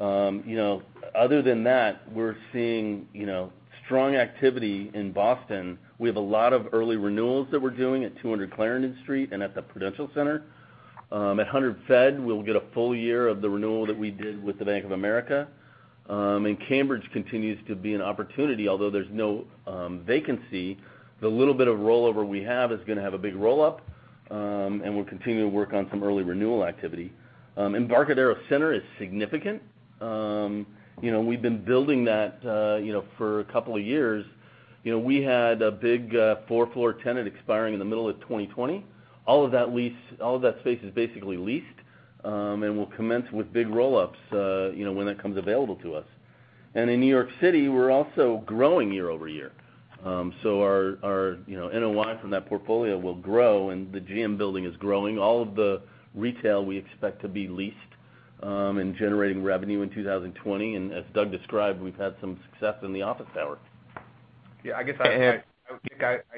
Other than that, we're seeing strong activity in Boston. We have a lot of early renewals that we're doing at 200 Clarendon Street and at the Prudential Center. At 100 Fed, we'll get a full year of the renewal that we did with the Bank of America. Cambridge continues to be an opportunity, although there's no vacancy. The little bit of rollover we have is going to have a big roll-up, and we're continuing to work on some early renewal activity. Embarcadero Center is significant. We've been building that for a couple of years. We had a big four-floor tenant expiring in the middle of 2020. All of that space is basically leased, and we'll commence with big roll-ups when that comes available to us. In New York City, we're also growing year-over-year. Our NOI from that portfolio will grow, and the GM Building is growing. All of the retail we expect to be leased and generating revenue in 2020. As Doug described, we've had some success in the office tower.
Yeah, I guess I'd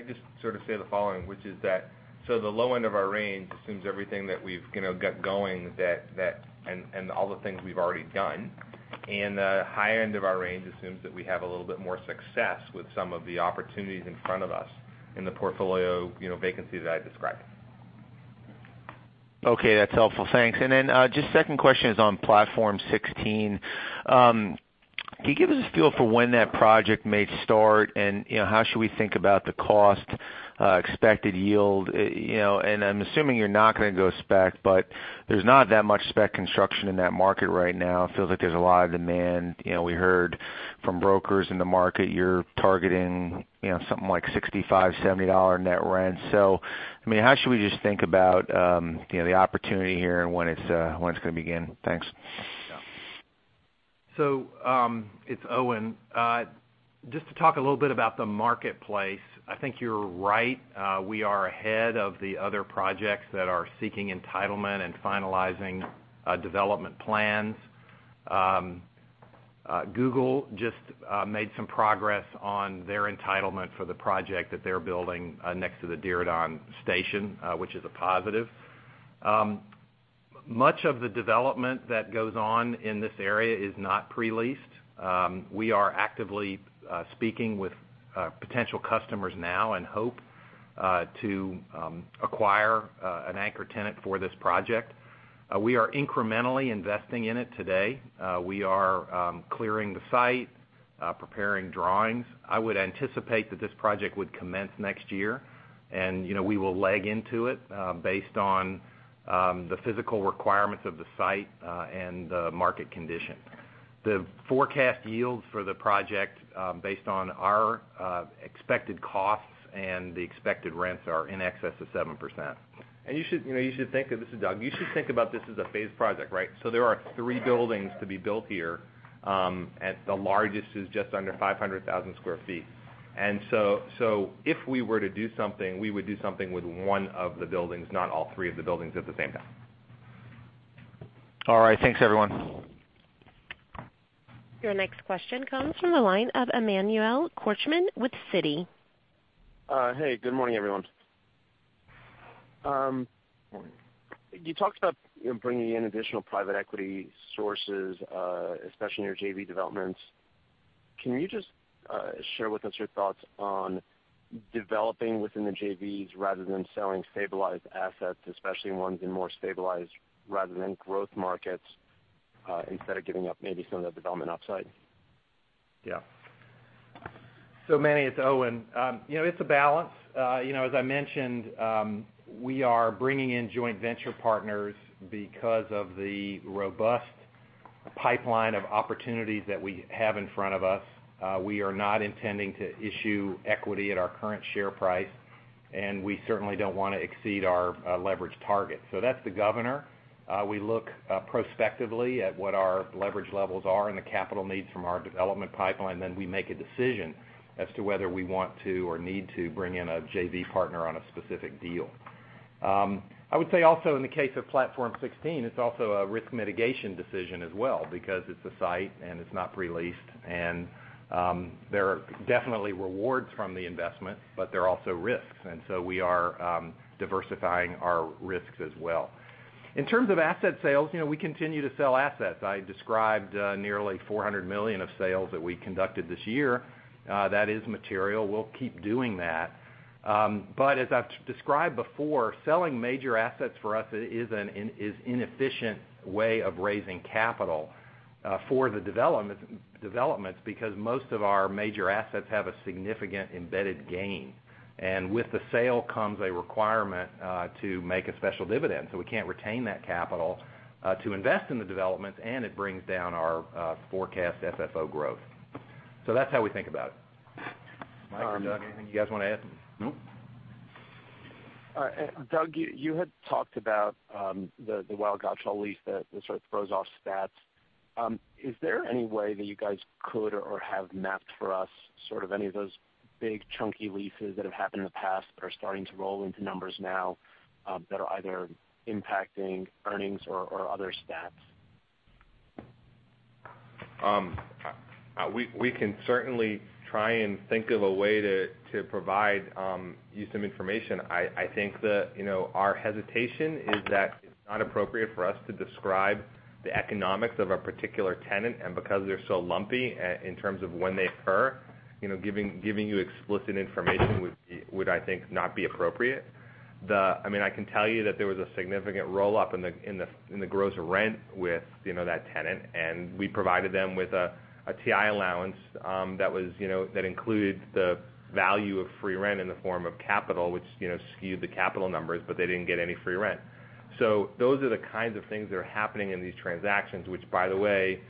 just sort of say the following, which is that, so the low end of our range assumes everything that we've got going and all the things we've already done. The high end of our range assumes that we have a little bit more success with some of the opportunities in front of us in the portfolio vacancies that I described.
Okay, that's helpful. Thanks. Just second question is on Platform 16. Can you give us a feel for when that project may start? How should we think about the cost, expected yield? I'm assuming you're not going to go spec, but there's not that much spec construction in that market right now. It feels like there's a lot of demand. We heard from brokers in the market, you're targeting something like $65-$70 net rent. I mean, how should we just think about the opportunity here and when it's going to begin? Thanks.
It's Owen. Just to talk a little bit about the marketplace. I think you're right. We are ahead of the other projects that are seeking entitlement and finalizing development plans. Google just made some progress on their entitlement for the project that they're building next to the Diridon station, which is a positive. Much of the development that goes on in this area is not pre-leased. We are actively speaking with potential customers now and hope to acquire an anchor tenant for this project. We are incrementally investing in it today. We are clearing the site, preparing drawings. I would anticipate that this project would commence next year. We will leg into it based on the physical requirements of the site and the market condition. The forecast yields for the project, based on our expected costs and the expected rents, are in excess of 7%.
This is Doug. You should think about this as a phased project, right? There are three buildings to be built here, and the largest is just under 500,000 square feet. If we were to do something, we would do something with one of the buildings, not all three of the buildings at the same time.
All right. Thanks, everyone.
Your next question comes from the line of Emmanuel Korchman with Citi.
Hey, good morning, everyone. You talked about bringing in additional private equity sources, especially in your JV developments. Can you just share with us your thoughts on developing within the JVs rather than selling stabilized assets, especially ones in more stabilized rather than growth markets, instead of giving up maybe some of the development upside?
Manny, it's Owen. It's a balance. As I mentioned, we are bringing in joint venture partners because of the robust pipeline of opportunities that we have in front of us. We are not intending to issue equity at our current share price, and we certainly don't want to exceed our leverage target. That's the governor. We look prospectively at what our leverage levels are and the capital needs from our development pipeline. We make a decision as to whether we want to or need to bring in a JV partner on a specific deal. I would say also in the case of Platform 16, it's also a risk mitigation decision as well, because it's a site and it's not pre-leased. There are definitely rewards from the investment, but there are also risks. We are diversifying our risks as well. In terms of asset sales, we continue to sell assets. I described nearly $400 million of sales that we conducted this year. That is material. We'll keep doing that. As I've described before, selling major assets for us is an inefficient way of raising capital for the developments because most of our major assets have a significant embedded gain. With the sale comes a requirement to make a special dividend. We can't retain that capital to invest in the developments, and it brings down our forecast FFO growth. That's how we think about it. Mike or Doug, anything you guys want to add?
No.
Doug, you had talked about the Weil, Gotshal & Manges lease that sort of throws off stats. Is there any way that you guys could or have mapped for us sort of any of those big chunky leases that have happened in the past that are starting to roll into numbers now, that are either impacting earnings or other stats?
We can certainly try and think of a way to provide you some information. I think that our hesitation is that it's not appropriate for us to describe the economics of a particular tenant. Because they're so lumpy in terms of when they occur, giving you explicit information would, I think, not be appropriate. I mean, I can tell you that there was a significant roll-up in the gross rent with that tenant, and we provided them with a TI allowance that included the value of free rent in the form of capital, which skewed the capital numbers, but they didn't get any free rent. Those are the kinds of things that are happening in these transactions, which, by the way,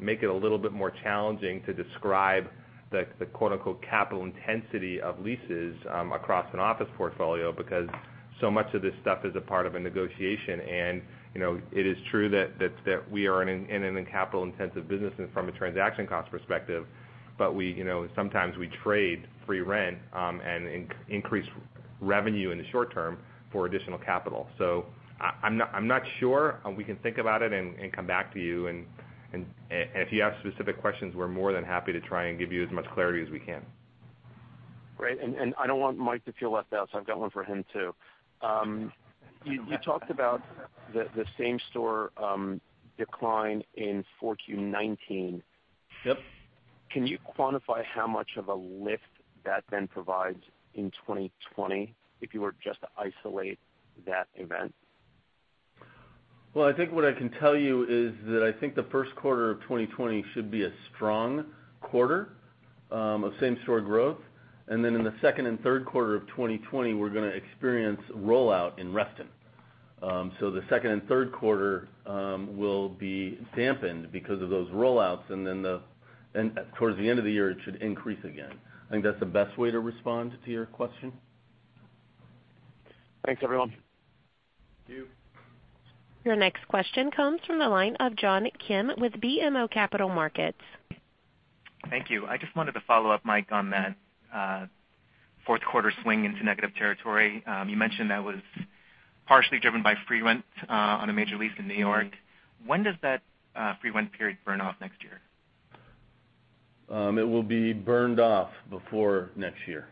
make it a little bit more challenging to describe the "capital intensity" of leases across an office portfolio because so much of this stuff is a part of a negotiation. It is true that we are in a capital-intensive business from a transaction cost perspective, but sometimes we trade free rent and increase revenue in the short term for additional capital. I'm not sure. We can think about it and come back to you. If you have specific questions, we're more than happy to try and give you as much clarity as we can.
Great. I don't want Mike to feel left out, so I've got one for him too. You talked about the same-store decline in 4Q 2019.
Yep.
Can you quantify how much of a lift that then provides in 2020, if you were just to isolate that event?
Well, I think what I can tell you is that I think the first quarter of 2020 should be a strong quarter of same-store growth. In the second and third quarter of 2020, we're going to experience rollout in Reston. The second and third quarter will be dampened because of those rollouts, and towards the end of the year, it should increase again. I think that's the best way to respond to your question.
Thanks, everyone.
Thank you.
Your next question comes from the line of John Kim with BMO Capital Markets.
Thank you. I just wanted to follow up, Mike, on that fourth quarter swing into negative territory. You mentioned that was partially driven by free rent on a major lease in New York. When does that free rent period burn off next year?
It will be burned off before next year.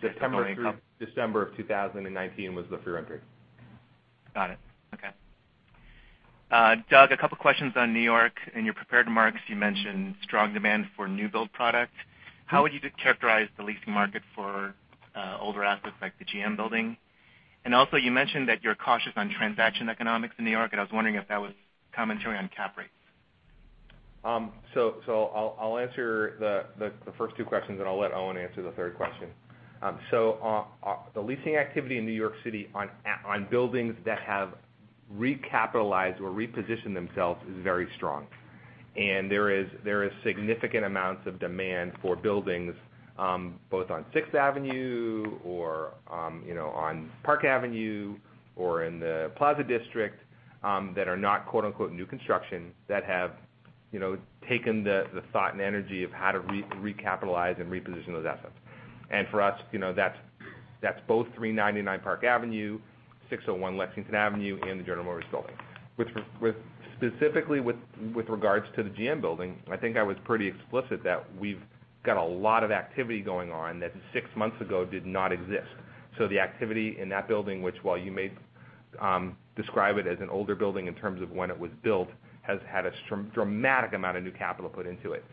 December of 2019 was the free rent period.
Got it. Okay. Doug, a couple questions on New York. In your prepared remarks, you mentioned strong demand for new build product. How would you characterize the leasing market for older assets like the GM Building? Also, you mentioned that you're cautious on transaction economics in New York, and I was wondering if that was commentary on cap rates.
I'll answer the first two questions, and I'll let Owen answer the third question. The leasing activity in New York City on buildings that have recapitalized or repositioned themselves is very strong. There is significant amounts of demand for buildings, both on 6th Avenue or on Park Avenue or in the Plaza District, that are not "new construction" that have taken the thought and energy of how to recapitalize and reposition those assets. For us, that's both 399 Park Avenue, 601 Lexington Avenue, and the General Motors Building. Specifically with regards to the GM Building, I think I was pretty explicit that we've got a lot of activity going on that 6 months ago did not exist. The activity in that building, which while you may describe it as an older building in terms of when it was built, has had a dramatic amount of new capital put into it.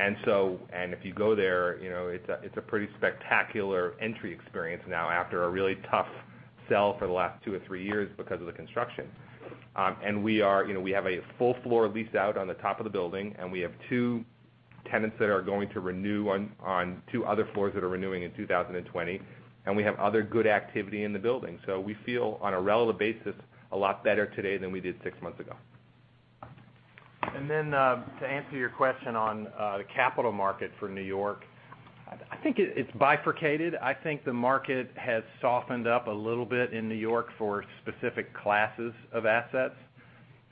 If you go there, it's a pretty spectacular entry experience now after a really tough sell for the last two or three years because of the construction. We have a full floor leased out on the top of the building, and we have two tenants that are going to renew on two other floors that are renewing in 2020. We have other good activity in the building. We feel, on a relative basis, a lot better today than we did six months ago.
To answer your question on the capital market for New York, I think it's bifurcated. I think the market has softened up a little bit in New York for specific classes of assets.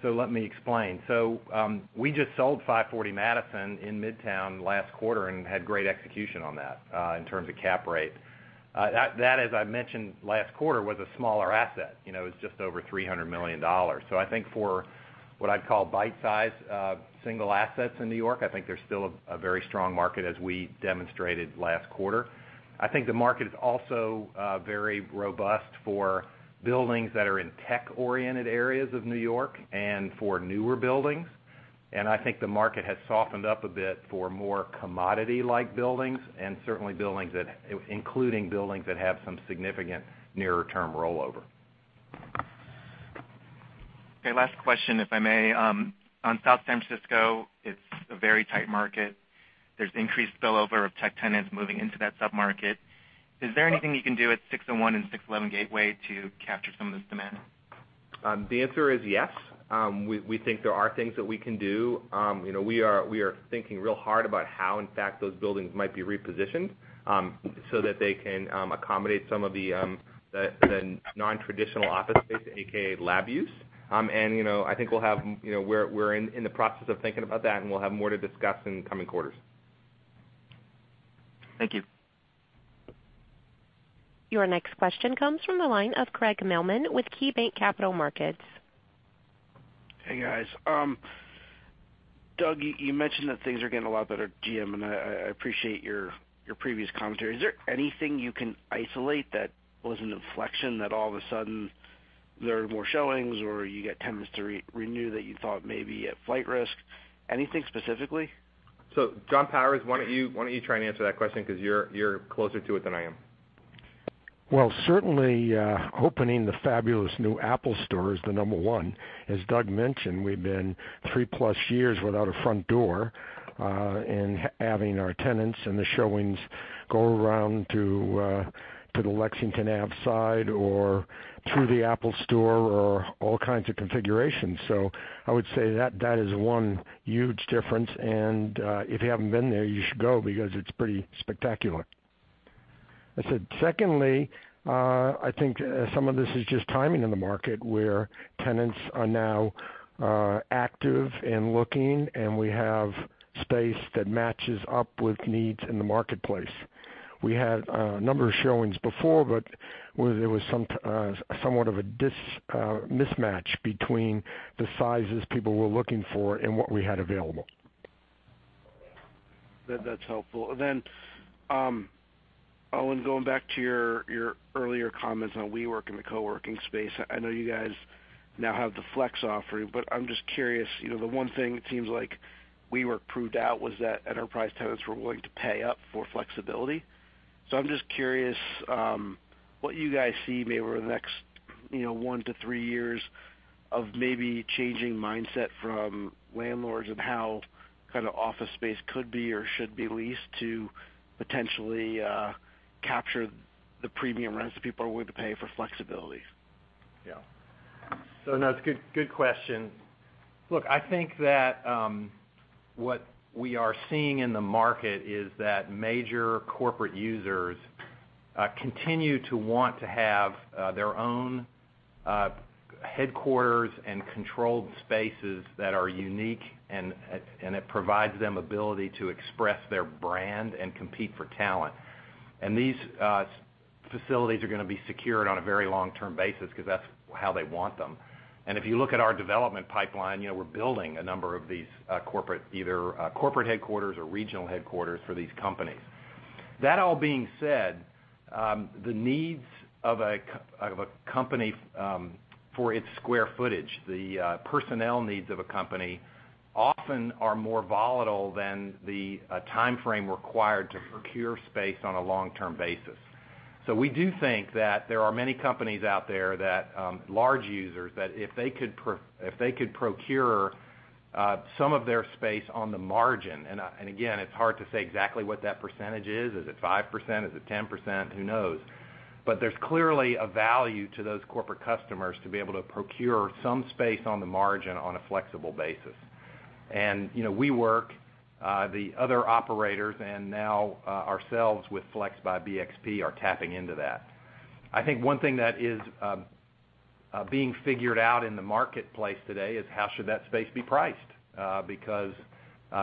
Let me explain. We just sold 540 Madison in Midtown last quarter and had great execution on that in terms of cap rate. That, as I mentioned last quarter, was a smaller asset. It was just over $300 million. I think for what I'd call bite-size single assets in New York, I think there's still a very strong market as we demonstrated last quarter. I think the market is also very robust for buildings that are in tech-oriented areas of New York and for newer buildings. I think the market has softened up a bit for more commodity-like buildings and certainly including buildings that have some significant nearer-term rollover.
Okay. Last question, if I may. On South San Francisco, it's a very tight market. There's increased spillover of tech tenants moving into that sub-market. Is there anything you can do at 601 and 611 Gateway to capture some of this demand?
The answer is yes. We think there are things that we can do. We are thinking real hard about how, in fact, those buildings might be repositioned so that they can accommodate some of the non-traditional office space, AKA lab use. I think we're in the process of thinking about that, and we'll have more to discuss in the coming quarters.
Thank you.
Your next question comes from the line of Craig Mailman with KeyBanc Capital Markets.
Hey, guys. Doug, you mentioned that things are getting a lot better at GM. I appreciate your previous commentary. Is there anything you can isolate that was an inflection that all of a sudden there are more showings, or you get tenants to renew that you thought may be at flight risk? Anything specifically?
John Powers, why don't you try and answer that question because you're closer to it than I am.
Well, certainly, opening the fabulous new Apple Store is the number one. As Doug mentioned, we've been three-plus years without a front door, and having our tenants and the showings go around to the Lexington Ave side or through the Apple Store or all kinds of configurations. I would say that is one huge difference, and if you haven't been there, you should go because it's pretty spectacular. Secondly, I think some of this is just timing in the market, where tenants are now active and looking, and we have space that matches up with needs in the marketplace.
We had a number of showings before, but there was somewhat of a mismatch between the sizes people were looking for and what we had available.
That's helpful. Owen, going back to your earlier comments on WeWork and the co-working space, I know you guys now have the Flex offering, I'm just curious, the one thing it seems like WeWork proved out was that enterprise tenants were willing to pay up for flexibility. I'm just curious what you guys see maybe over the next one to three years of maybe changing mindset from landlords and how office space could be or should be leased to potentially capture the premium rents people are willing to pay for flexibility.
Yeah. No, it's a good question. Look, I think that what we are seeing in the market is that major corporate users continue to want to have their own headquarters and controlled spaces that are unique, and it provides them ability to express their brand and compete for talent. These facilities are going to be secured on a very long-term basis because that's how they want them. If you look at our development pipeline, we're building a number of these corporate, either corporate headquarters or regional headquarters for these companies. That all being said, the needs of a company for its square footage, the personnel needs of a company, often are more volatile than the timeframe required to procure space on a long-term basis. We do think that there are many companies out there that, large users, that if they could procure some of their space on the margin, and again, it's hard to say exactly what that percentage is. Is it 5%? Is it 10%? Who knows. There's clearly a value to those corporate customers to be able to procure some space on the margin on a flexible basis. WeWork, the other operators, and now ourselves with Flex by BXP, are tapping into that. One thing that is being figured out in the marketplace today is how should that space be priced.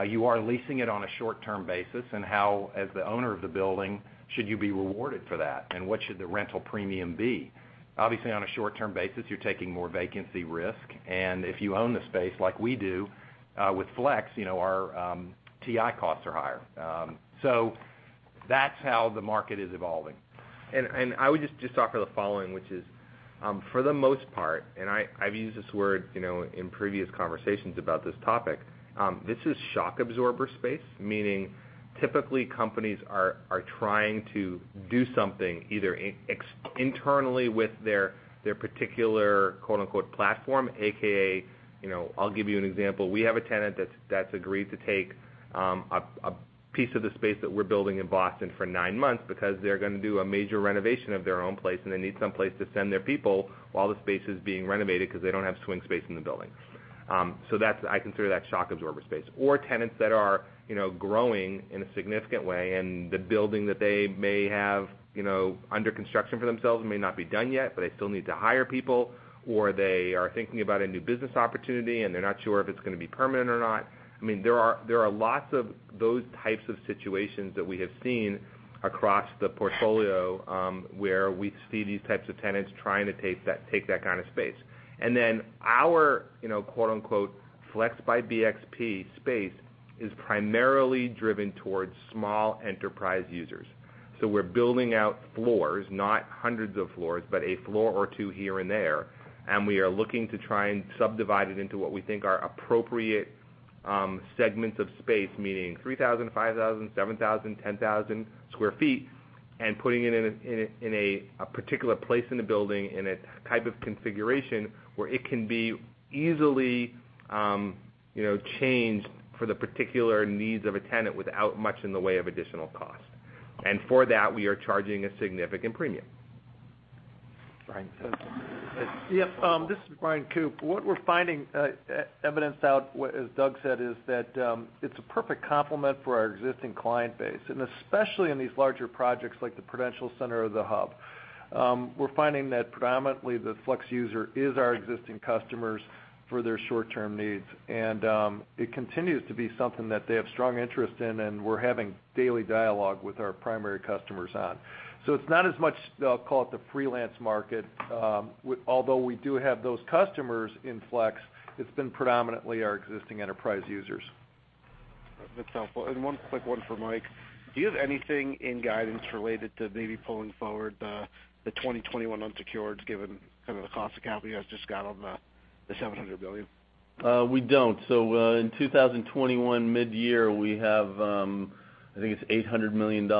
You are leasing it on a short-term basis and how, as the owner of the building, should you be rewarded for that and what should the rental premium be? Obviously, on a short-term basis, you're taking more vacancy risk, and if you own the space like we do with Flex, our TI costs are higher. That's how the market is evolving.
I would just offer the following, which is, for the most part, and I've used this word in previous conversations about this topic, this is shock absorber space, meaning typically companies are trying to do something either internally with their particular "platform," aka, I'll give you an example. We have a tenant that's agreed to take a piece of the space that we're building in Boston for nine months because they're going to do a major renovation of their own place, and they need someplace to send their people while the space is being renovated because they don't have swing space in the building. I consider that shock absorber space. Tenants that are growing in a significant way and the building that they may have under construction for themselves may not be done yet, but they still need to hire people, or they are thinking about a new business opportunity and they're not sure if it's going to be permanent or not. There are lots of those types of situations that we have seen across the portfolio, where we see these types of tenants trying to take that kind of space. Our Flex by BXP space is primarily driven towards small enterprise users. We're building out floors, not hundreds of floors, but a floor or two here and there, and we are looking to try and subdivide it into what we think are appropriate segments of space, meaning 3,000, 5,000, 7,000, 10,000 square feet, and putting it in a particular place in the building in a type of configuration where it can be easily changed for the particular needs of a tenant without much in the way of additional cost. For that, we are charging a significant premium.
Bryan Koop.
Yeah. This is Bryan Koop. What we're finding, evidence out, as Doug said, is that it's a perfect complement for our existing client base, and especially in these larger projects like the Prudential Center or The Hub. We're finding that predominantly the Flex user is our existing customers for their short-term needs, and it continues to be something that they have strong interest in and we're having daily dialogue with our primary customers on. It's not as much, I'll call it the freelance market, although we do have those customers in Flex, it's been predominantly our existing enterprise users.
That's helpful. One quick one for Mike. Do you have anything in guidance related to maybe pulling forward the 2021 unsecureds given the cost of capital you guys just got on the $700 million?
We don't. In 2021 mid-year, we have, I think it's $800 million at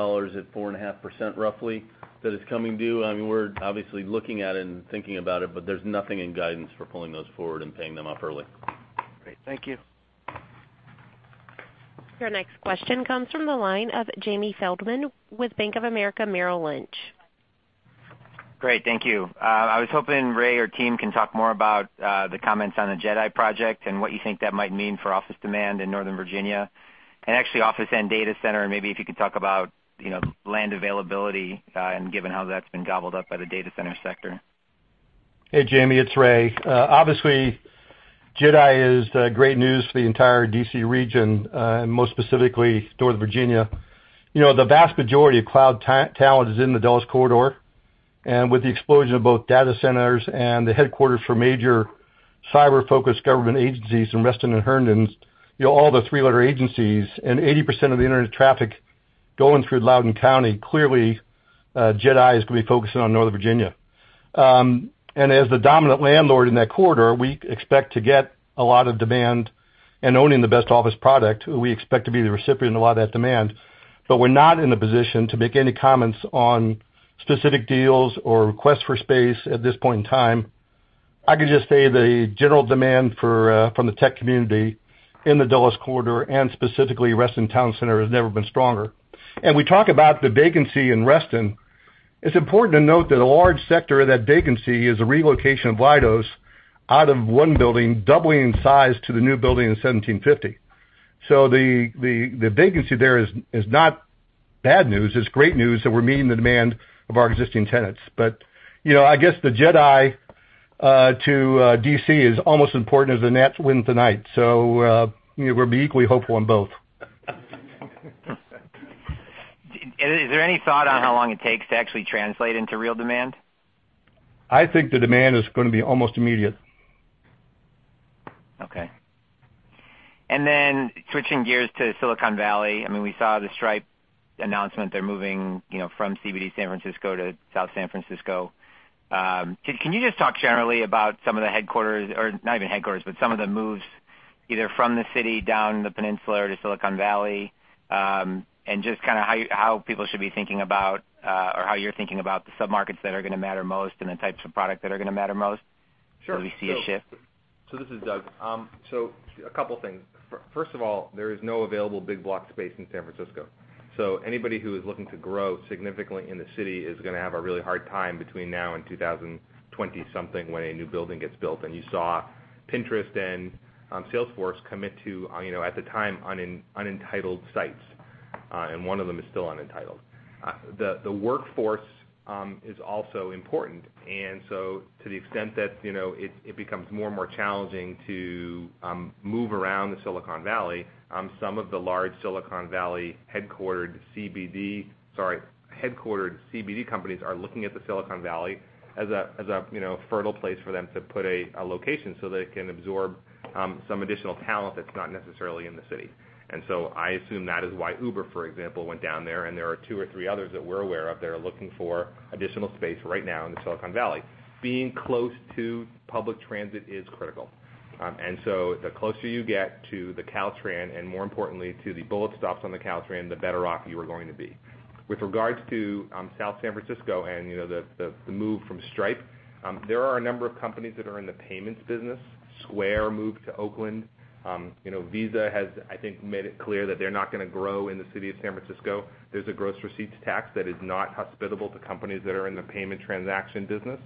4.5% roughly that is coming due. We're obviously looking at it and thinking about it, there's nothing in guidance for pulling those forward and paying them off early.
Great. Thank you.
Your next question comes from the line of Jamie Feldman with Bank of America Merrill Lynch.
Great. Thank you. I was hoping Ray or team can talk more about the comments on the JEDI project and what you think that might mean for office demand in Northern Virginia, and actually office and data center, and maybe if you could talk about land availability, and given how that's been gobbled up by the data center sector.
Hey, Jamie, it's Ray. Obviously, JEDI is great news for the entire D.C. region, most specifically Northern Virginia. The vast majority of cloud talent is in the Dulles Corridor. With the explosion of both data centers and the headquarters for major cyber-focused government agencies in Reston and Herndon, all the three-letter agencies and 80% of the internet traffic going through Loudoun County, clearly, JEDI is going to be focusing on Northern Virginia. As the dominant landlord in that corridor, we expect to get a lot of demand. Owning the best office product, we expect to be the recipient of a lot of that demand. We're not in the position to make any comments on specific deals or requests for space at this point in time. I can just say the general demand from the tech community in the Dulles Corridor, and specifically Reston Town Center, has never been stronger. We talk about the vacancy in Reston. It's important to note that a large sector of that vacancy is a relocation of Leidos out of one building, doubling in size to the new building in 1750. The vacancy there is not bad news. It's great news that we're meeting the demand of our existing tenants. I guess the JEDI to D.C. is almost important as the Nats win tonight. We'll be equally hopeful on both.
Is there any thought on how long it takes to actually translate into real demand?
I think the demand is going to be almost immediate.
Okay. Switching gears to Silicon Valley. We saw the Stripe announcement. They're moving from CBD San Francisco to South San Francisco. Can you just talk generally about some of the headquarters, or not even headquarters, but some of the moves either from the city down the peninsula to Silicon Valley, and just how people should be thinking about, or how you're thinking about the sub-markets that are going to matter most and the types of product that are going to matter most? Sure. Do we see a shift?
This is Doug. A couple things. First of all, there is no available big block space in San Francisco. Anybody who is looking to grow significantly in the city is going to have a really hard time between now and 2020-something, when a new building gets built. You saw Pinterest and Salesforce commit to, at the time, unentitled sites. One of them is still unentitled. The workforce is also important. To the extent that it becomes more and more challenging to move around the Silicon Valley, some of the large Silicon Valley-headquartered CBD companies are looking at the Silicon Valley as a fertile place for them to put a location so they can absorb some additional talent that's not necessarily in the city. I assume that is why Uber, for example, went down there, and there are two or three others that we're aware of that are looking for additional space right now in the Silicon Valley. Being close to public transit is critical. The closer you get to the Caltrain, and more importantly, to the bullet stops on the Caltrain, the better off you are going to be. With regards to South San Francisco and the move from Stripe, there are a number of companies that are in the payments business. Square moved to Oakland. Visa has, I think, made it clear that they're not going to grow in the city of San Francisco. There's a gross receipts tax that is not hospitable to companies that are in the payment transaction business.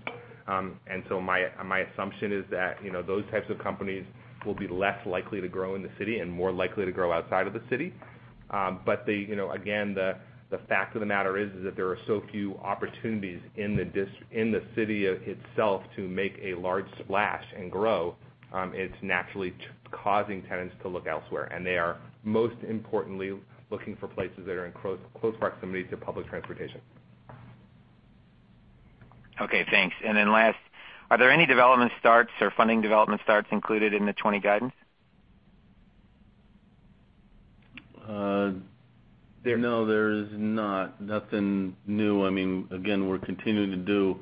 My assumption is that those types of companies will be less likely to grow in the city and more likely to grow outside of the city. Again, the fact of the matter is that there are so few opportunities in the city itself to make a large splash and grow. It's naturally causing tenants to look elsewhere, and they are most importantly looking for places that are in close proximity to public transportation.
Okay, thanks. Then last, are there any development starts or funding development starts included in the 2020 guidance?
No, there is not. Nothing new. Again, we're continuing to do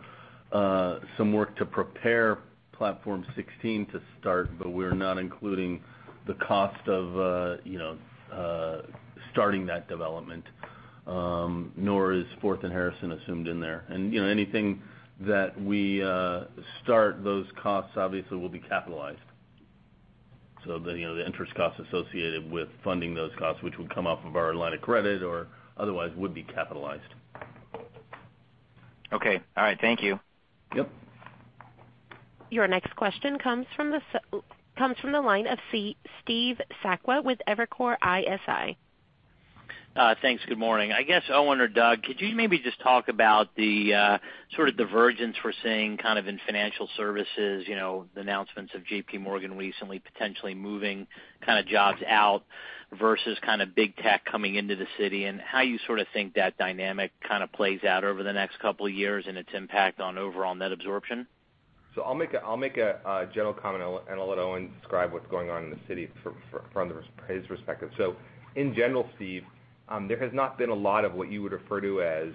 some work to prepare Platform 16 to start, but we're not including the cost of starting that development. Nor is Fourth and Harrison assumed in there. Anything that we start, those costs obviously will be capitalized. The interest costs associated with funding those costs, which would come off of our line of credit or otherwise, would be capitalized.
Okay. All right. Thank you.
Yep.
Your next question comes from the line of Steve Sakwa with Evercore ISI.
Thanks. Good morning. I guess, Owen or Doug, could you maybe just talk about the sort of divergence we're seeing kind of in financial services, the announcements of JPMorgan recently potentially moving kind of jobs out versus kind of big tech coming into the city, and how you sort of think that dynamic kind of plays out over the next couple of years and its impact on overall net absorption?
I'll make a general comment, and I'll let Owen describe what's going on in the city from his perspective. In general, Steve, there has not been a lot of what you would refer to as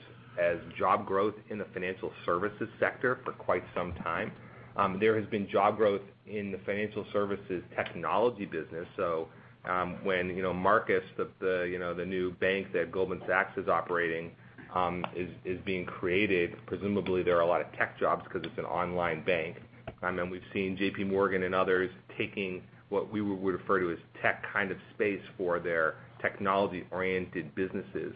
job growth in the financial services sector for quite some time. There has been job growth in the financial services technology business. When Marcus, the new bank that Goldman Sachs is operating, is being created, presumably there are a lot of tech jobs because it's an online bank. We've seen JPMorgan and others taking what we would refer to as tech kind of space for their technology-oriented businesses.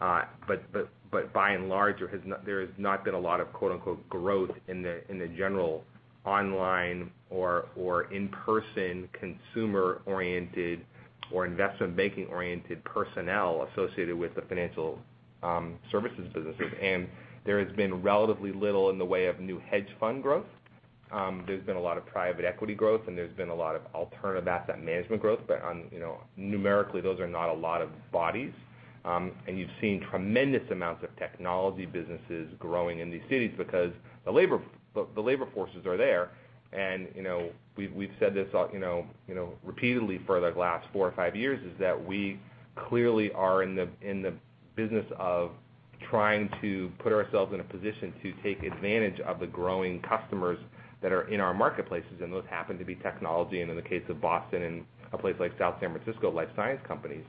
By and large, there has not been a lot of quote-unquote growth in the general online or in-person, consumer-oriented or investment banking-oriented personnel associated with the financial services businesses. There has been relatively little in the way of new hedge fund growth. There's been a lot of private equity growth, and there's been a lot of alternative asset management growth. Numerically, those are not a lot of bodies. You've seen tremendous amounts of technology businesses growing in these cities because the labor forces are there. We've said this repeatedly for the last four or five years, is that we clearly are in the business of trying to put ourselves in a position to take advantage of the growing customers that are in our marketplaces, and those happen to be technology, and in the case of Boston and a place like South San Francisco, life science companies.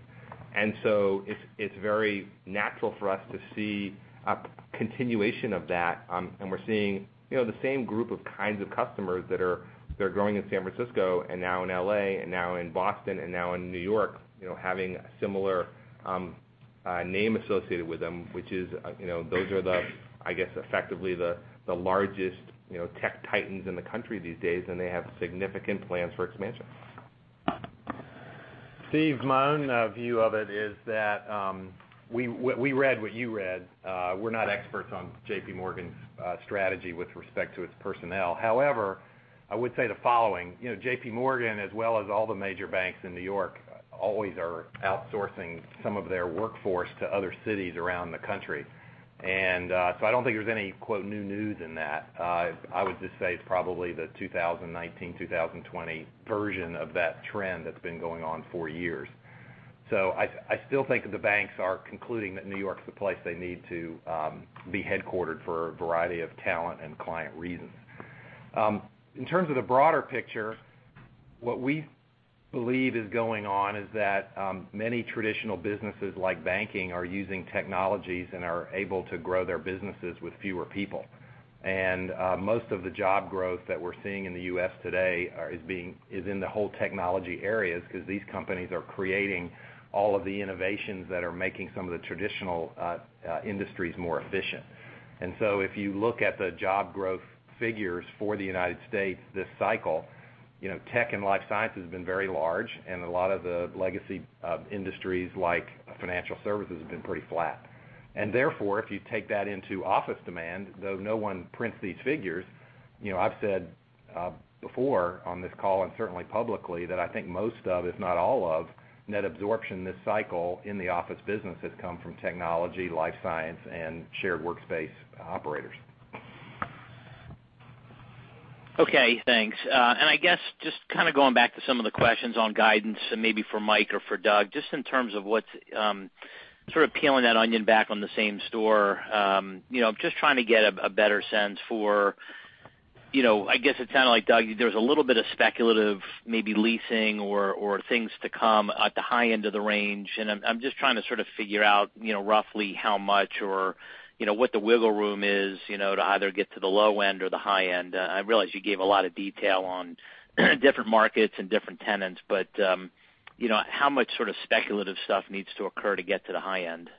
It's very natural for us to see a continuation of that. We're seeing the same group of kinds of customers that are growing in San Francisco, now in L.A., now in Boston, now in New York, having a similar name associated with them. Those are, I guess, effectively the largest tech titans in the country these days. They have significant plans for expansion.
Steve, my own view of it is that we read what you read. We're not experts on JPMorgan's strategy with respect to its personnel. I would say the following. JPMorgan, as well as all the major banks in New York, always are outsourcing some of their workforce to other cities around the country. I don't think there's any "new news" in that. I would just say it's probably the 2019, 2020 version of that trend that's been going on for years. I still think the banks are concluding that New York's the place they need to be headquartered for a variety of talent and client reasons. In terms of the broader picture, what we believe is going on is that many traditional businesses like banking are using technologies and are able to grow their businesses with fewer people. Most of the job growth that we're seeing in the U.S. today is in the whole technology areas, because these companies are creating all of the innovations that are making some of the traditional industries more efficient. If you look at the job growth figures for the United States this cycle, tech and life science has been very large, and a lot of the legacy industries like financial services have been pretty flat. Therefore, if you take that into office demand, though no one prints these figures, I've said before on this call and certainly publicly, that I think most of, if not all of, net absorption this cycle in the office business has come from technology, life science, and shared workspace operators.
Okay, thanks. I guess just kind of going back to some of the questions on guidance, and maybe for Mike or for Doug, just in terms of what's sort of peeling that onion back on the same store. Just trying to get a better sense for I guess it's kind of like, Doug, there's a little bit of speculative maybe leasing or things to come at the high end of the range, and I'm just trying to sort of figure out roughly how much or what the wiggle room is to either get to the low end or the high end. I realize you gave a lot of detail on different markets and different tenants, but how much sort of speculative stuff needs to occur to get to the high end?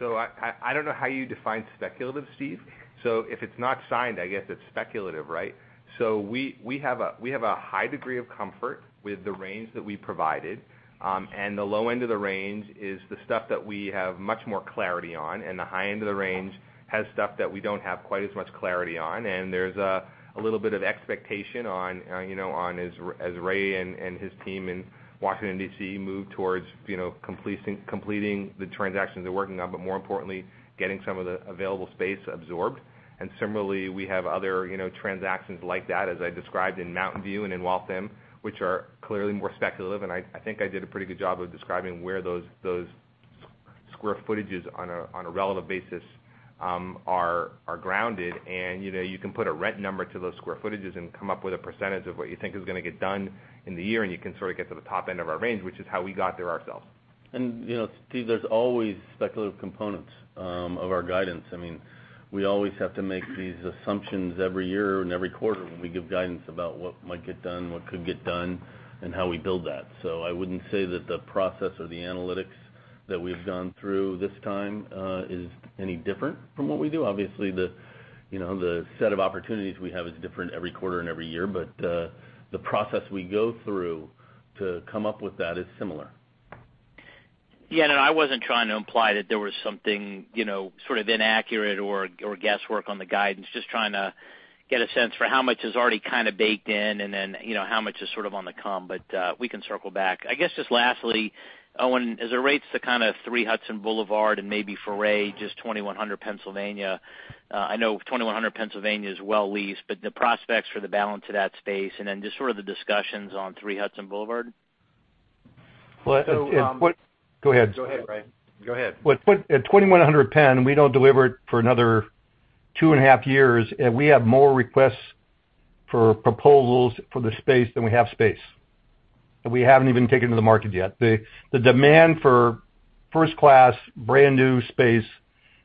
I don't know how you define speculative, Steve. If it's not signed, I guess it's speculative, right? We have a high degree of comfort with the range that we provided. The low end of the range is the stuff that we have much more clarity on, and the high end of the range has stuff that we don't have quite as much clarity on. There's a little bit of expectation as Ray and his team in Washington, D.C., move towards completing the transactions they're working on, but more importantly, getting some of the available space absorbed. Similarly, we have other transactions like that, as I described in Mountain View and in Waltham, which are clearly more speculative. I think I did a pretty good job of describing where those square footages on a relative basis are grounded. You can put a rent number to those square footages and come up with a percentage of what you think is going to get done in the year, and you can sort of get to the top end of our range, which is how we got there ourselves.
Steve, there's always speculative components of our guidance. We always have to make these assumptions every year and every quarter when we give guidance about what might get done, what could get done, and how we build that. I wouldn't say that the process or the analytics that we've gone through this time is any different from what we do. Obviously, the set of opportunities we have is different every quarter and every year. The process we go through to come up with that is similar.
Yeah, no, I wasn't trying to imply that there was something sort of inaccurate or guesswork on the guidance. Just trying to get a sense for how much is already kind of baked in, and then how much is sort of on the come. We can circle back. I guess just lastly, Owen, as it relates to kind of 3 Hudson Boulevard and maybe for Ray, just 2100 Pennsylvania. I know 2100 Pennsylvania is well leased. The prospects for the balance of that space, and just sort of the discussions on 3 Hudson Boulevard. Well-
Go ahead. Go ahead, Ray. Go ahead.
With 2100 Penn, we don't deliver it for another two and a half years. We have more requests for proposals for the space than we have space. We haven't even taken it to the market yet. The demand for first-class, brand-new space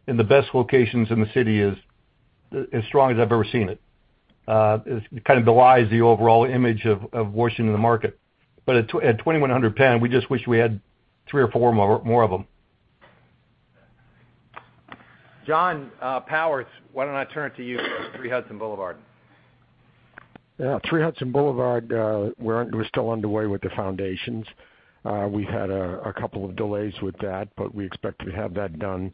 in the best locations in the city is as strong as I've ever seen it. It kind of belies the overall image of Washington, D.C., the market. At 2100 Penn, we just wish we had three or four more of them.
John Powers, why don't I turn it to you for 3 Hudson Boulevard?
Yeah, 3 Hudson Boulevard, we're still underway with the foundations. We've had a couple of delays with that. We expect to have that done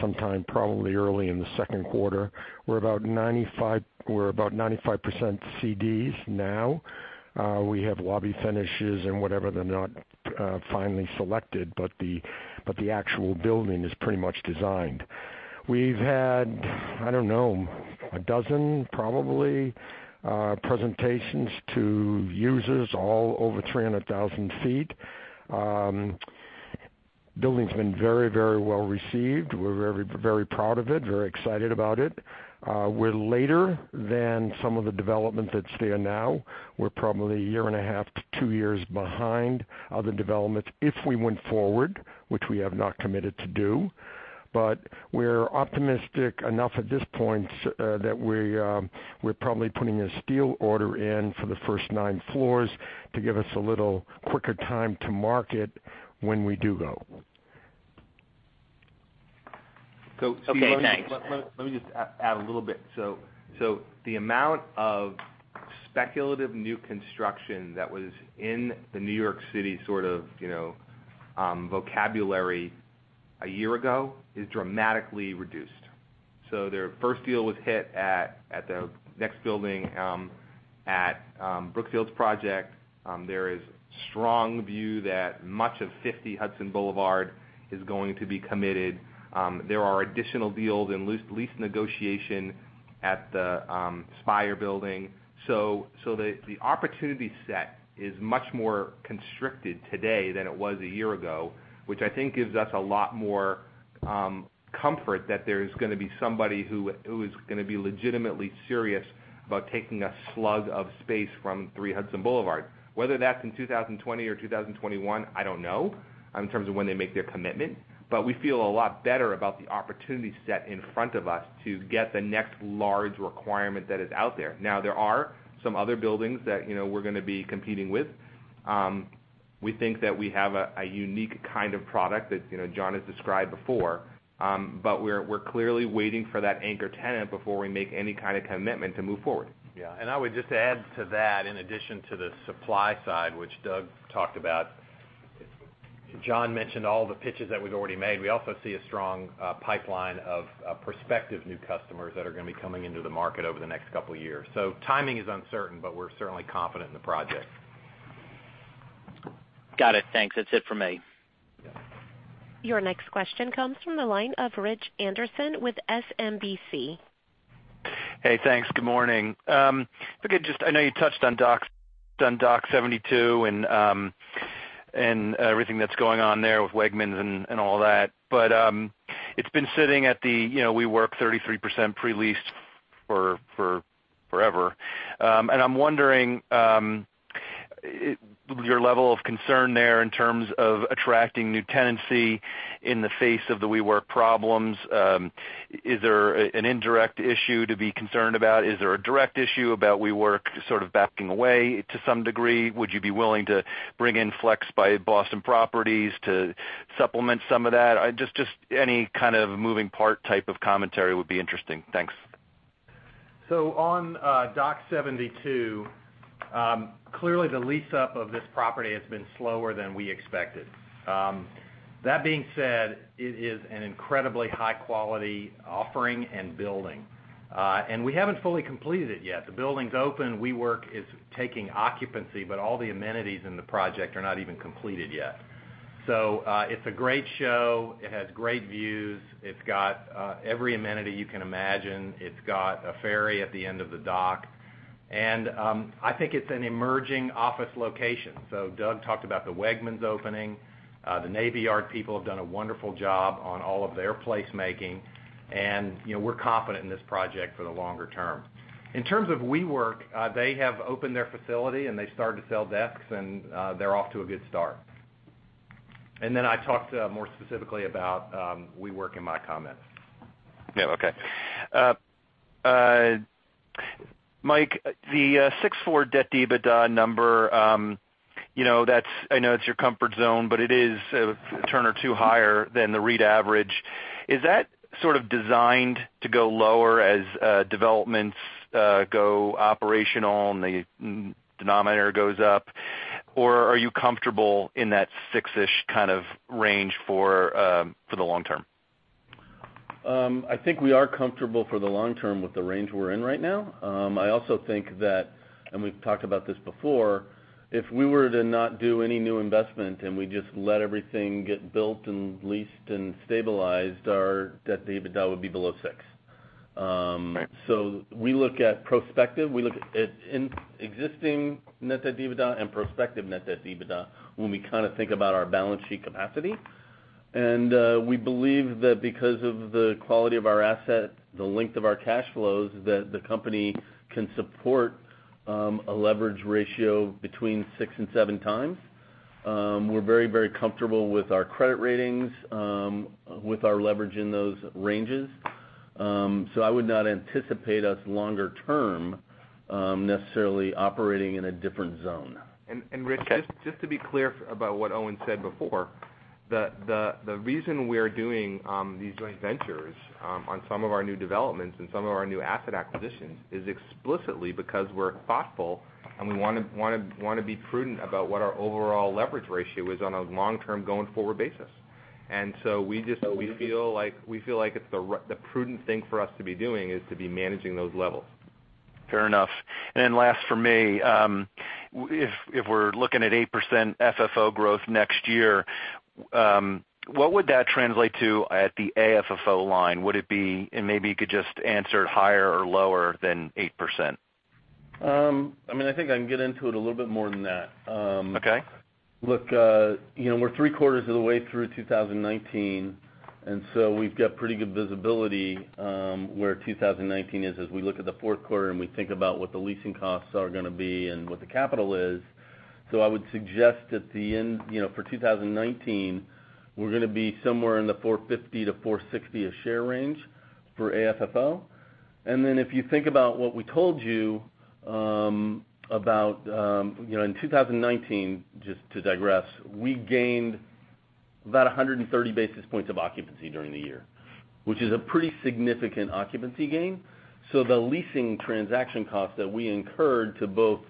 sometime probably early in the second quarter. We're about 95% CDs now. We have lobby finishes and whatever. They're not finally selected. The actual building is pretty much designed. We've had, I don't know, a dozen, probably, presentations to users, all over 300,000 feet. Building's been very well received. We're very proud of it, very excited about it. We're later than some of the developments that stand now. We're probably a year and a half to two years behind other developments, if we went forward, which we have not committed to do. We're optimistic enough at this point that we're probably putting a steel order in for the first nine floors to give us a little quicker time to market when we do go.
Steve-
Okay, thanks.
let me just add a little bit. The amount of speculative new construction that was in New York City sort of vocabulary a year ago is dramatically reduced. Their first deal was hit at the next building, at Brookfield's project. There is strong view that much of 50 Hudson Yards is going to be committed. There are additional deals and lease negotiation at The Spiral. The opportunity set is much more constricted today than it was a year ago, which I think gives us a lot more comfort that there's going to be somebody who is going to be legitimately serious about taking a slug of space from 3 Hudson Boulevard. Whether that's in 2020 or 2021, I don't know, in terms of when they make their commitment, but we feel a lot better about the opportunity set in front of us to get the next large requirement that is out there. There are some other buildings that we're going to be competing with. We think that we have a unique kind of product that John has described before. We're clearly waiting for that anchor tenant before we make any kind of commitment to move forward.
Yeah. I would just add to that, in addition to the supply side, which Doug talked about. John mentioned all the pitches that we've already made. We also see a strong pipeline of prospective new customers that are going to be coming into the market over the next couple of years. Timing is uncertain, but we're certainly confident in the project. Got it. Thanks. That's it for me.
Yeah.
Your next question comes from the line of Richard Anderson with SMBC.
Hey, thanks. Good morning. I know you touched on Dock72 and everything that's going on there with Wegmans and all that, it's been sitting at the WeWork 33% pre-leased for forever. I'm wondering, your level of concern there in terms of attracting new tenancy in the face of the WeWork problems. Is there an indirect issue to be concerned about? Is there a direct issue about WeWork sort of backing away to some degree? Would you be willing to bring in Flex by BXP to supplement some of that? Just any kind of moving part type of commentary would be interesting. Thanks.
On Dock72, clearly the lease-up of this property has been slower than we expected. That being said, it is an incredibly high-quality offering and building. We haven't fully completed it yet. The building's open. WeWork is taking occupancy, but all the amenities in the project are not even completed yet. It's a great show. It has great views. It's got every amenity you can imagine. It's got a ferry at the end of the dock, and I think it's an emerging office location. Doug talked about the Wegmans opening. The Navy Yard people have done a wonderful job on all of their placemaking, and we're confident in this project for the longer term. In terms of WeWork, they have opened their facility, and they've started to sell desks, and they're off to a good start. I talked more specifically about WeWork in my comments.
Yeah. Okay. Mike, the 6.0 debt-EBITDA number, I know it's your comfort zone, but it is a turn or two higher than the REIT average. Is that sort of designed to go lower as developments go operational and the denominator goes up? Or are you comfortable in that six-ish kind of range for the long term?
I think we are comfortable for the long term with the range we're in right now. I also think that, and we've talked about this before, if we were to not do any new investment and we just let everything get built and leased and stabilized, our debt-EBITDA would be below six.
Right.
We look at prospective, we look at existing net debt-EBITDA and prospective net debt-EBITDA when we kind of think about our balance sheet capacity. We believe that because of the quality of our asset, the length of our cash flows, that the company can support a leverage ratio between six and seven times. We're very comfortable with our credit ratings, with our leverage in those ranges. I would not anticipate us longer term, necessarily operating in a different zone.
Rich. Okay
just to be clear about what Owen said before.
The reason we're doing these joint ventures on some of our new developments and some of our new asset acquisitions is explicitly because we're thoughtful, and we want to be prudent about what our overall leverage ratio is on a long-term, going-forward basis. We feel like the prudent thing for us to be doing is to be managing those levels.
Fair enough. Last for me, if we're looking at 8% FFO growth next year, what would that translate to at the AFFO line? Would it be, and maybe you could just answer higher or lower than 8%?
I think I can get into it a little bit more than that.
Okay.
Look, we're three-quarters of the way through 2019, we've got pretty good visibility where 2019 is as we look at the fourth quarter and we think about what the leasing costs are going to be and what the capital is. I would suggest that for 2019, we're going to be somewhere in the $450-$460 a share range for AFFO. If you think about what we told you about in 2019, just to digress, we gained about 130 basis points of occupancy during the year, which is a pretty significant occupancy gain. The leasing transaction cost that we incurred to both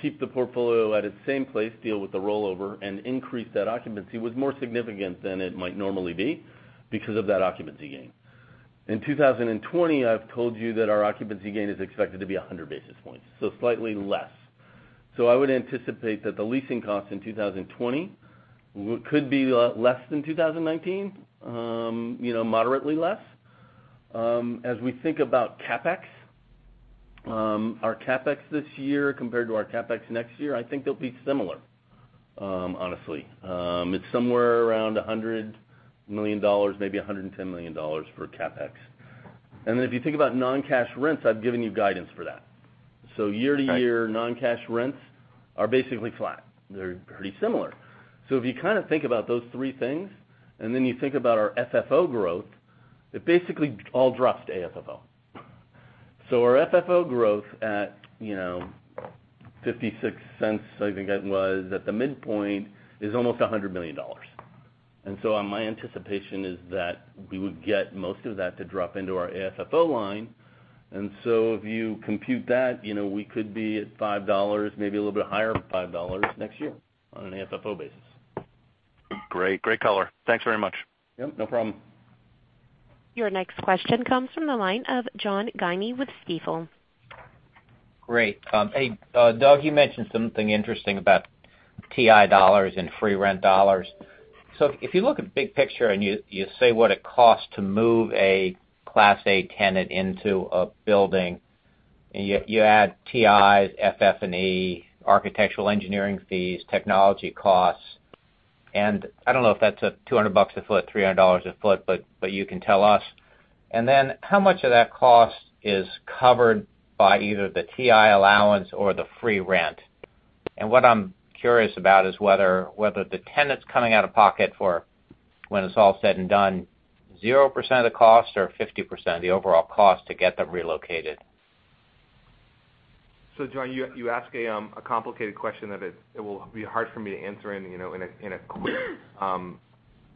keep the portfolio at its same place, deal with the rollover, and increase that occupancy was more significant than it might normally be because of that occupancy gain. In 2020, I've told you that our occupancy gain is expected to be 100 basis points, so slightly less. I would anticipate that the leasing cost in 2020 could be less than 2019, moderately less. As we think about CapEx, our CapEx this year compared to our CapEx next year, I think they'll be similar, honestly. It's somewhere around $100 million, maybe $110 million for CapEx. If you think about non-cash rents, I've given you guidance for that.
Right
non-cash rents are basically flat. They're pretty similar. If you think about those three things, then you think about our FFO growth, it basically all drops to AFFO. Our FFO growth at $0.56, I think that was at the midpoint, is almost $100 million. My anticipation is that we would get most of that to drop into our AFFO line. If you compute that, we could be at $5, maybe a little bit higher than $5 next year on an AFFO basis.
Great color. Thanks very much.
Yep, no problem.
Your next question comes from the line of John Guinee with Stifel.
Great. Hey, Doug, you mentioned something interesting about TI dollars and free rent dollars. If you look at big picture and you say what it costs to move a Class A tenant into a building and you add TIs, FF&E, architectural engineering fees, technology costs, and I don't know if that's at $200 bucks a foot, $300 a foot, but you can tell us. How much of that cost is covered by either the TI allowance or the free rent? What I'm curious about is whether the tenant's coming out of pocket for when it's all said and done, 0% of the cost or 50% of the overall cost to get them relocated.
John, you ask a complicated question that it will be hard for me to answer in a quick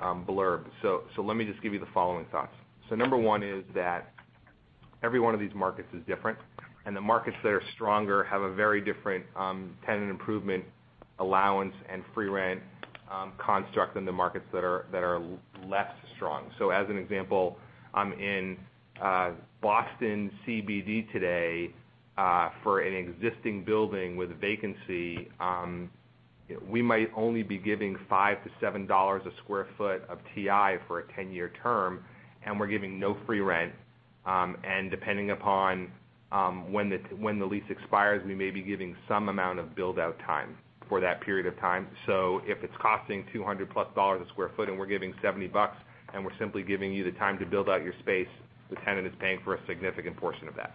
blurb. Let me just give you the following thoughts. Number one is that every one of these markets is different, and the markets that are stronger have a very different tenant improvement allowance and free rent construct than the markets that are less strong. As an example, in Boston CBD today, for an existing building with a vacancy, we might only be giving $5 to $7 a square foot of TI for a 10-year term, and we're giving no free rent. Depending upon when the lease expires, we may be giving some amount of build-out time for that period of time. If it's costing $200-plus a square foot and we're giving $70 and we're simply giving you the time to build out your space, the tenant is paying for a significant portion of that.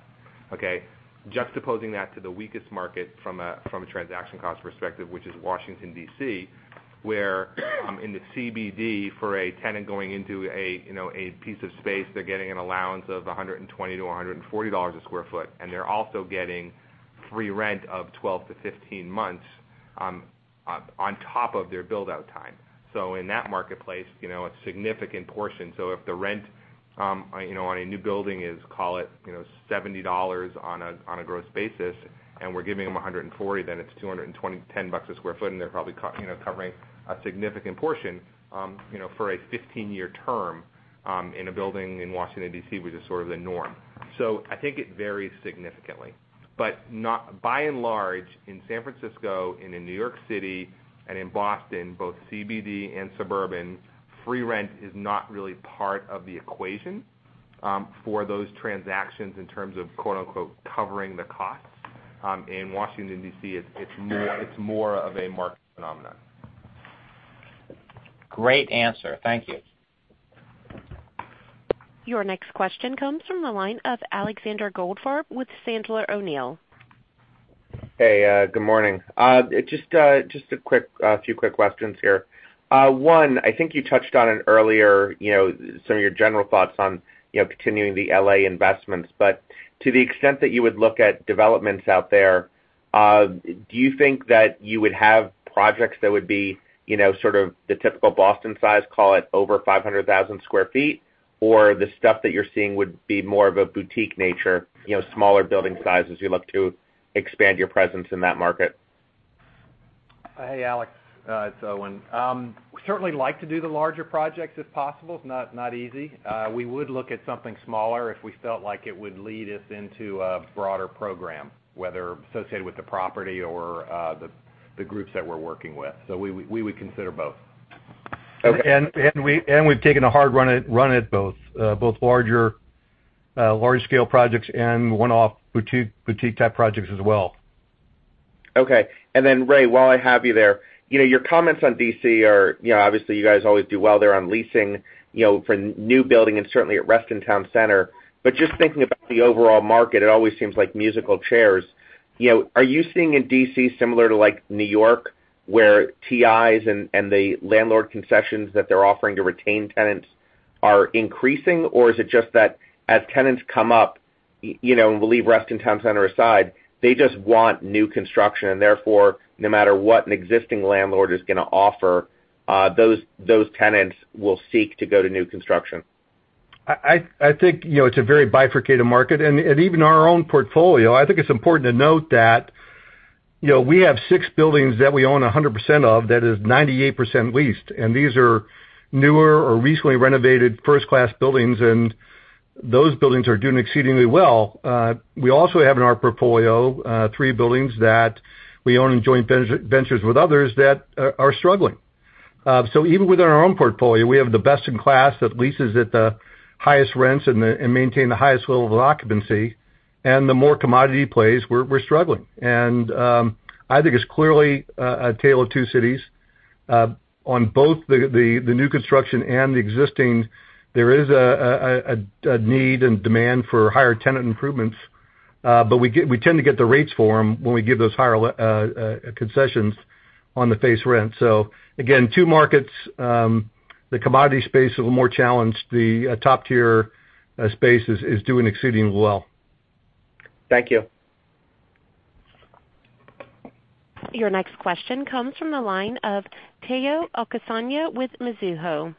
Okay. Juxtaposing that to the weakest market from a transaction cost perspective, which is Washington, D.C., where in the CBD, for a tenant going into a piece of space, they're getting an allowance of $120-$140 a square foot, and they're also getting free rent of 12-15 months on top of their build-out time. In that marketplace, a significant portion. If the rent on a new building is, call it, $70 on a gross basis, and we're giving them $140, then it's $210 a square foot, and they're probably covering a significant portion for a 15-year term in a building in Washington, D.C., which is sort of the norm. I think it varies significantly. By and large, in San Francisco and in New York City and in Boston, both CBD and suburban, free rent is not really part of the equation for those transactions in terms of quote-unquote "covering the costs." In Washington, D.C., it's more of a market phenomenon.
Great answer. Thank you.
Your next question comes from the line of Alexander Goldfarb with Sandler O'Neill.
Hey, good morning. Just a few quick questions here. One, I think you touched on it earlier, some of your general thoughts on continuing the L.A. investments. To the extent that you would look at developments out there. Do you think that you would have projects that would be sort of the typical Boston size, call it over 500,000 sq ft? The stuff that you're seeing would be more of a boutique nature, smaller building sizes, as you look to expand your presence in that market?
Hey, Alex, it's Owen. We certainly like to do the larger projects if possible. It's not easy. We would look at something smaller if we felt like it would lead us into a broader program, whether associated with the property or the groups that we're working with. We would consider both.
Okay.
We've taken a hard run at both larger scale projects and one-off boutique-type projects as well.
Okay. Ray, while I have you there, your comments on D.C. are, obviously you guys always do well there on leasing, for new building and certainly at Reston Town Center. Just thinking about the overall market, it always seems like musical chairs. Are you seeing in D.C. similar to New York, where TIs and the landlord concessions that they're offering to retain tenants are increasing? Is it just that as tenants come up, and we'll leave Reston Town Center aside, they just want new construction, and therefore, no matter what an existing landlord is going to offer, those tenants will seek to go to new construction?
I think it's a very bifurcated market. Even our own portfolio, I think it's important to note that, we have six buildings that we own 100% of, that is 98% leased. These are newer or recently renovated first-class buildings, and those buildings are doing exceedingly well. We also have in our portfolio, three buildings that we own in joint ventures with others that are struggling. Even within our own portfolio, we have the best in class that leases at the highest rents and maintain the highest level of occupancy. The more commodity plays, we're struggling. I think it's clearly a tale of two cities. On both the new construction and the existing, there is a need and demand for higher tenant improvements. We tend to get the rates for them when we give those higher concessions on the face rent. Again, two markets, the commodity space is a little more challenged. The top-tier space is doing exceedingly well.
Thank you.
Your next question comes from the line of Omotayo Okusanya with Mizuho.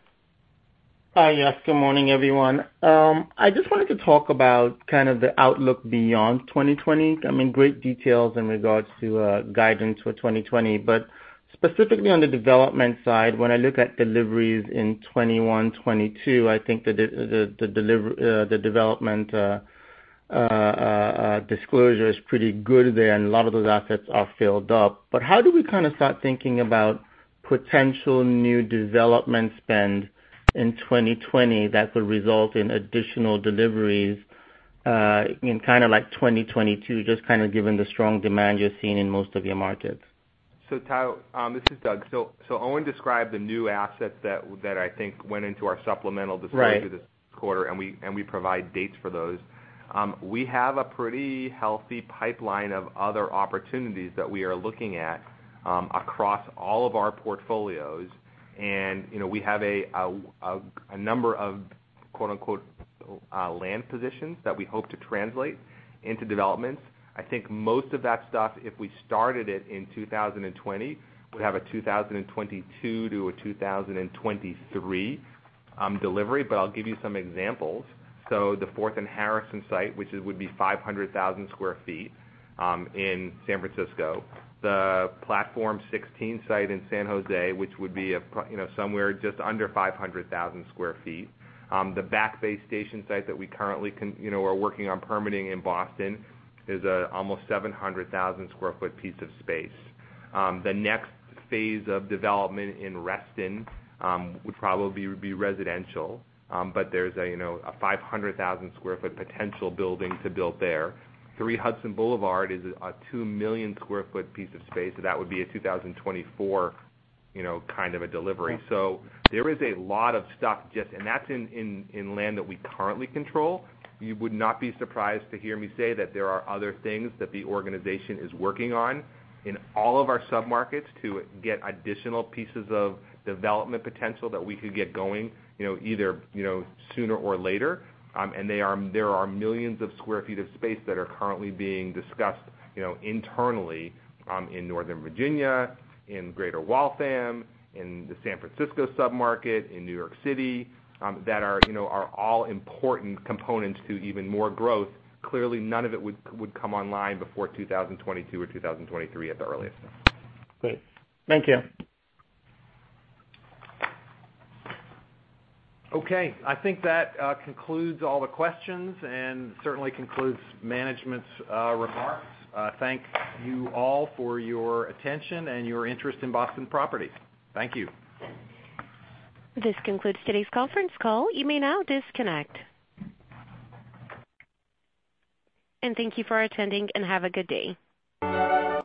Hi. Yes, good morning, everyone. I just wanted to talk about kind of the outlook beyond 2020. I mean, great details in regards to guidance for 2020. Specifically on the development side, when I look at deliveries in 2021, 2022, I think the development disclosure is pretty good there, and a lot of those assets are filled up. How do we kind of start thinking about potential new development spend in 2020 that would result in additional deliveries in kind of like 2022, just kind of given the strong demand you're seeing in most of your markets?
Tayo, this is Doug. Owen described the new assets that I think went into our supplemental disclosure.
Right
This quarter. We provide dates for those. We have a pretty healthy pipeline of other opportunities that we are looking at, across all of our portfolios. We have a number of quote unquote, land positions that we hope to translate into developments. I think most of that stuff, if we started it in 2020, would have a 2022-2023 delivery. I'll give you some examples. The Fourth and Harrison site, which would be 500,000 sq ft in San Francisco. The Platform 16 site in San Jose, which would be somewhere just under 500,000 sq ft. The Back Bay Station site that we currently are working on permitting in Boston is a almost 700,000 sq ft piece of space. The next phase of development in Reston would probably be residential. There's a 500,000 sq ft potential building to build there. 3 Hudson Boulevard is a 2 million sq ft piece of space. That would be a 2024 kind of a delivery. There is a lot of stuff just And that's in land that we currently control. You would not be surprised to hear me say that there are other things that the organization is working on in all of our sub-markets to get additional pieces of development potential that we could get going, either sooner or later. There are millions of square feet of space that are currently being discussed internally, in Northern Virginia, in Greater Waltham, in the San Francisco sub-market, in New York City, that are all important components to even more growth. Clearly, none of it would come online before 2022 or 2023 at the earliest.
Great. Thank you.
Okay. I think that concludes all the questions and certainly concludes management's remarks. Thank you all for your attention and your interest in Boston Properties. Thank you.
This concludes today's conference call. You may now disconnect. Thank you for attending and have a good day.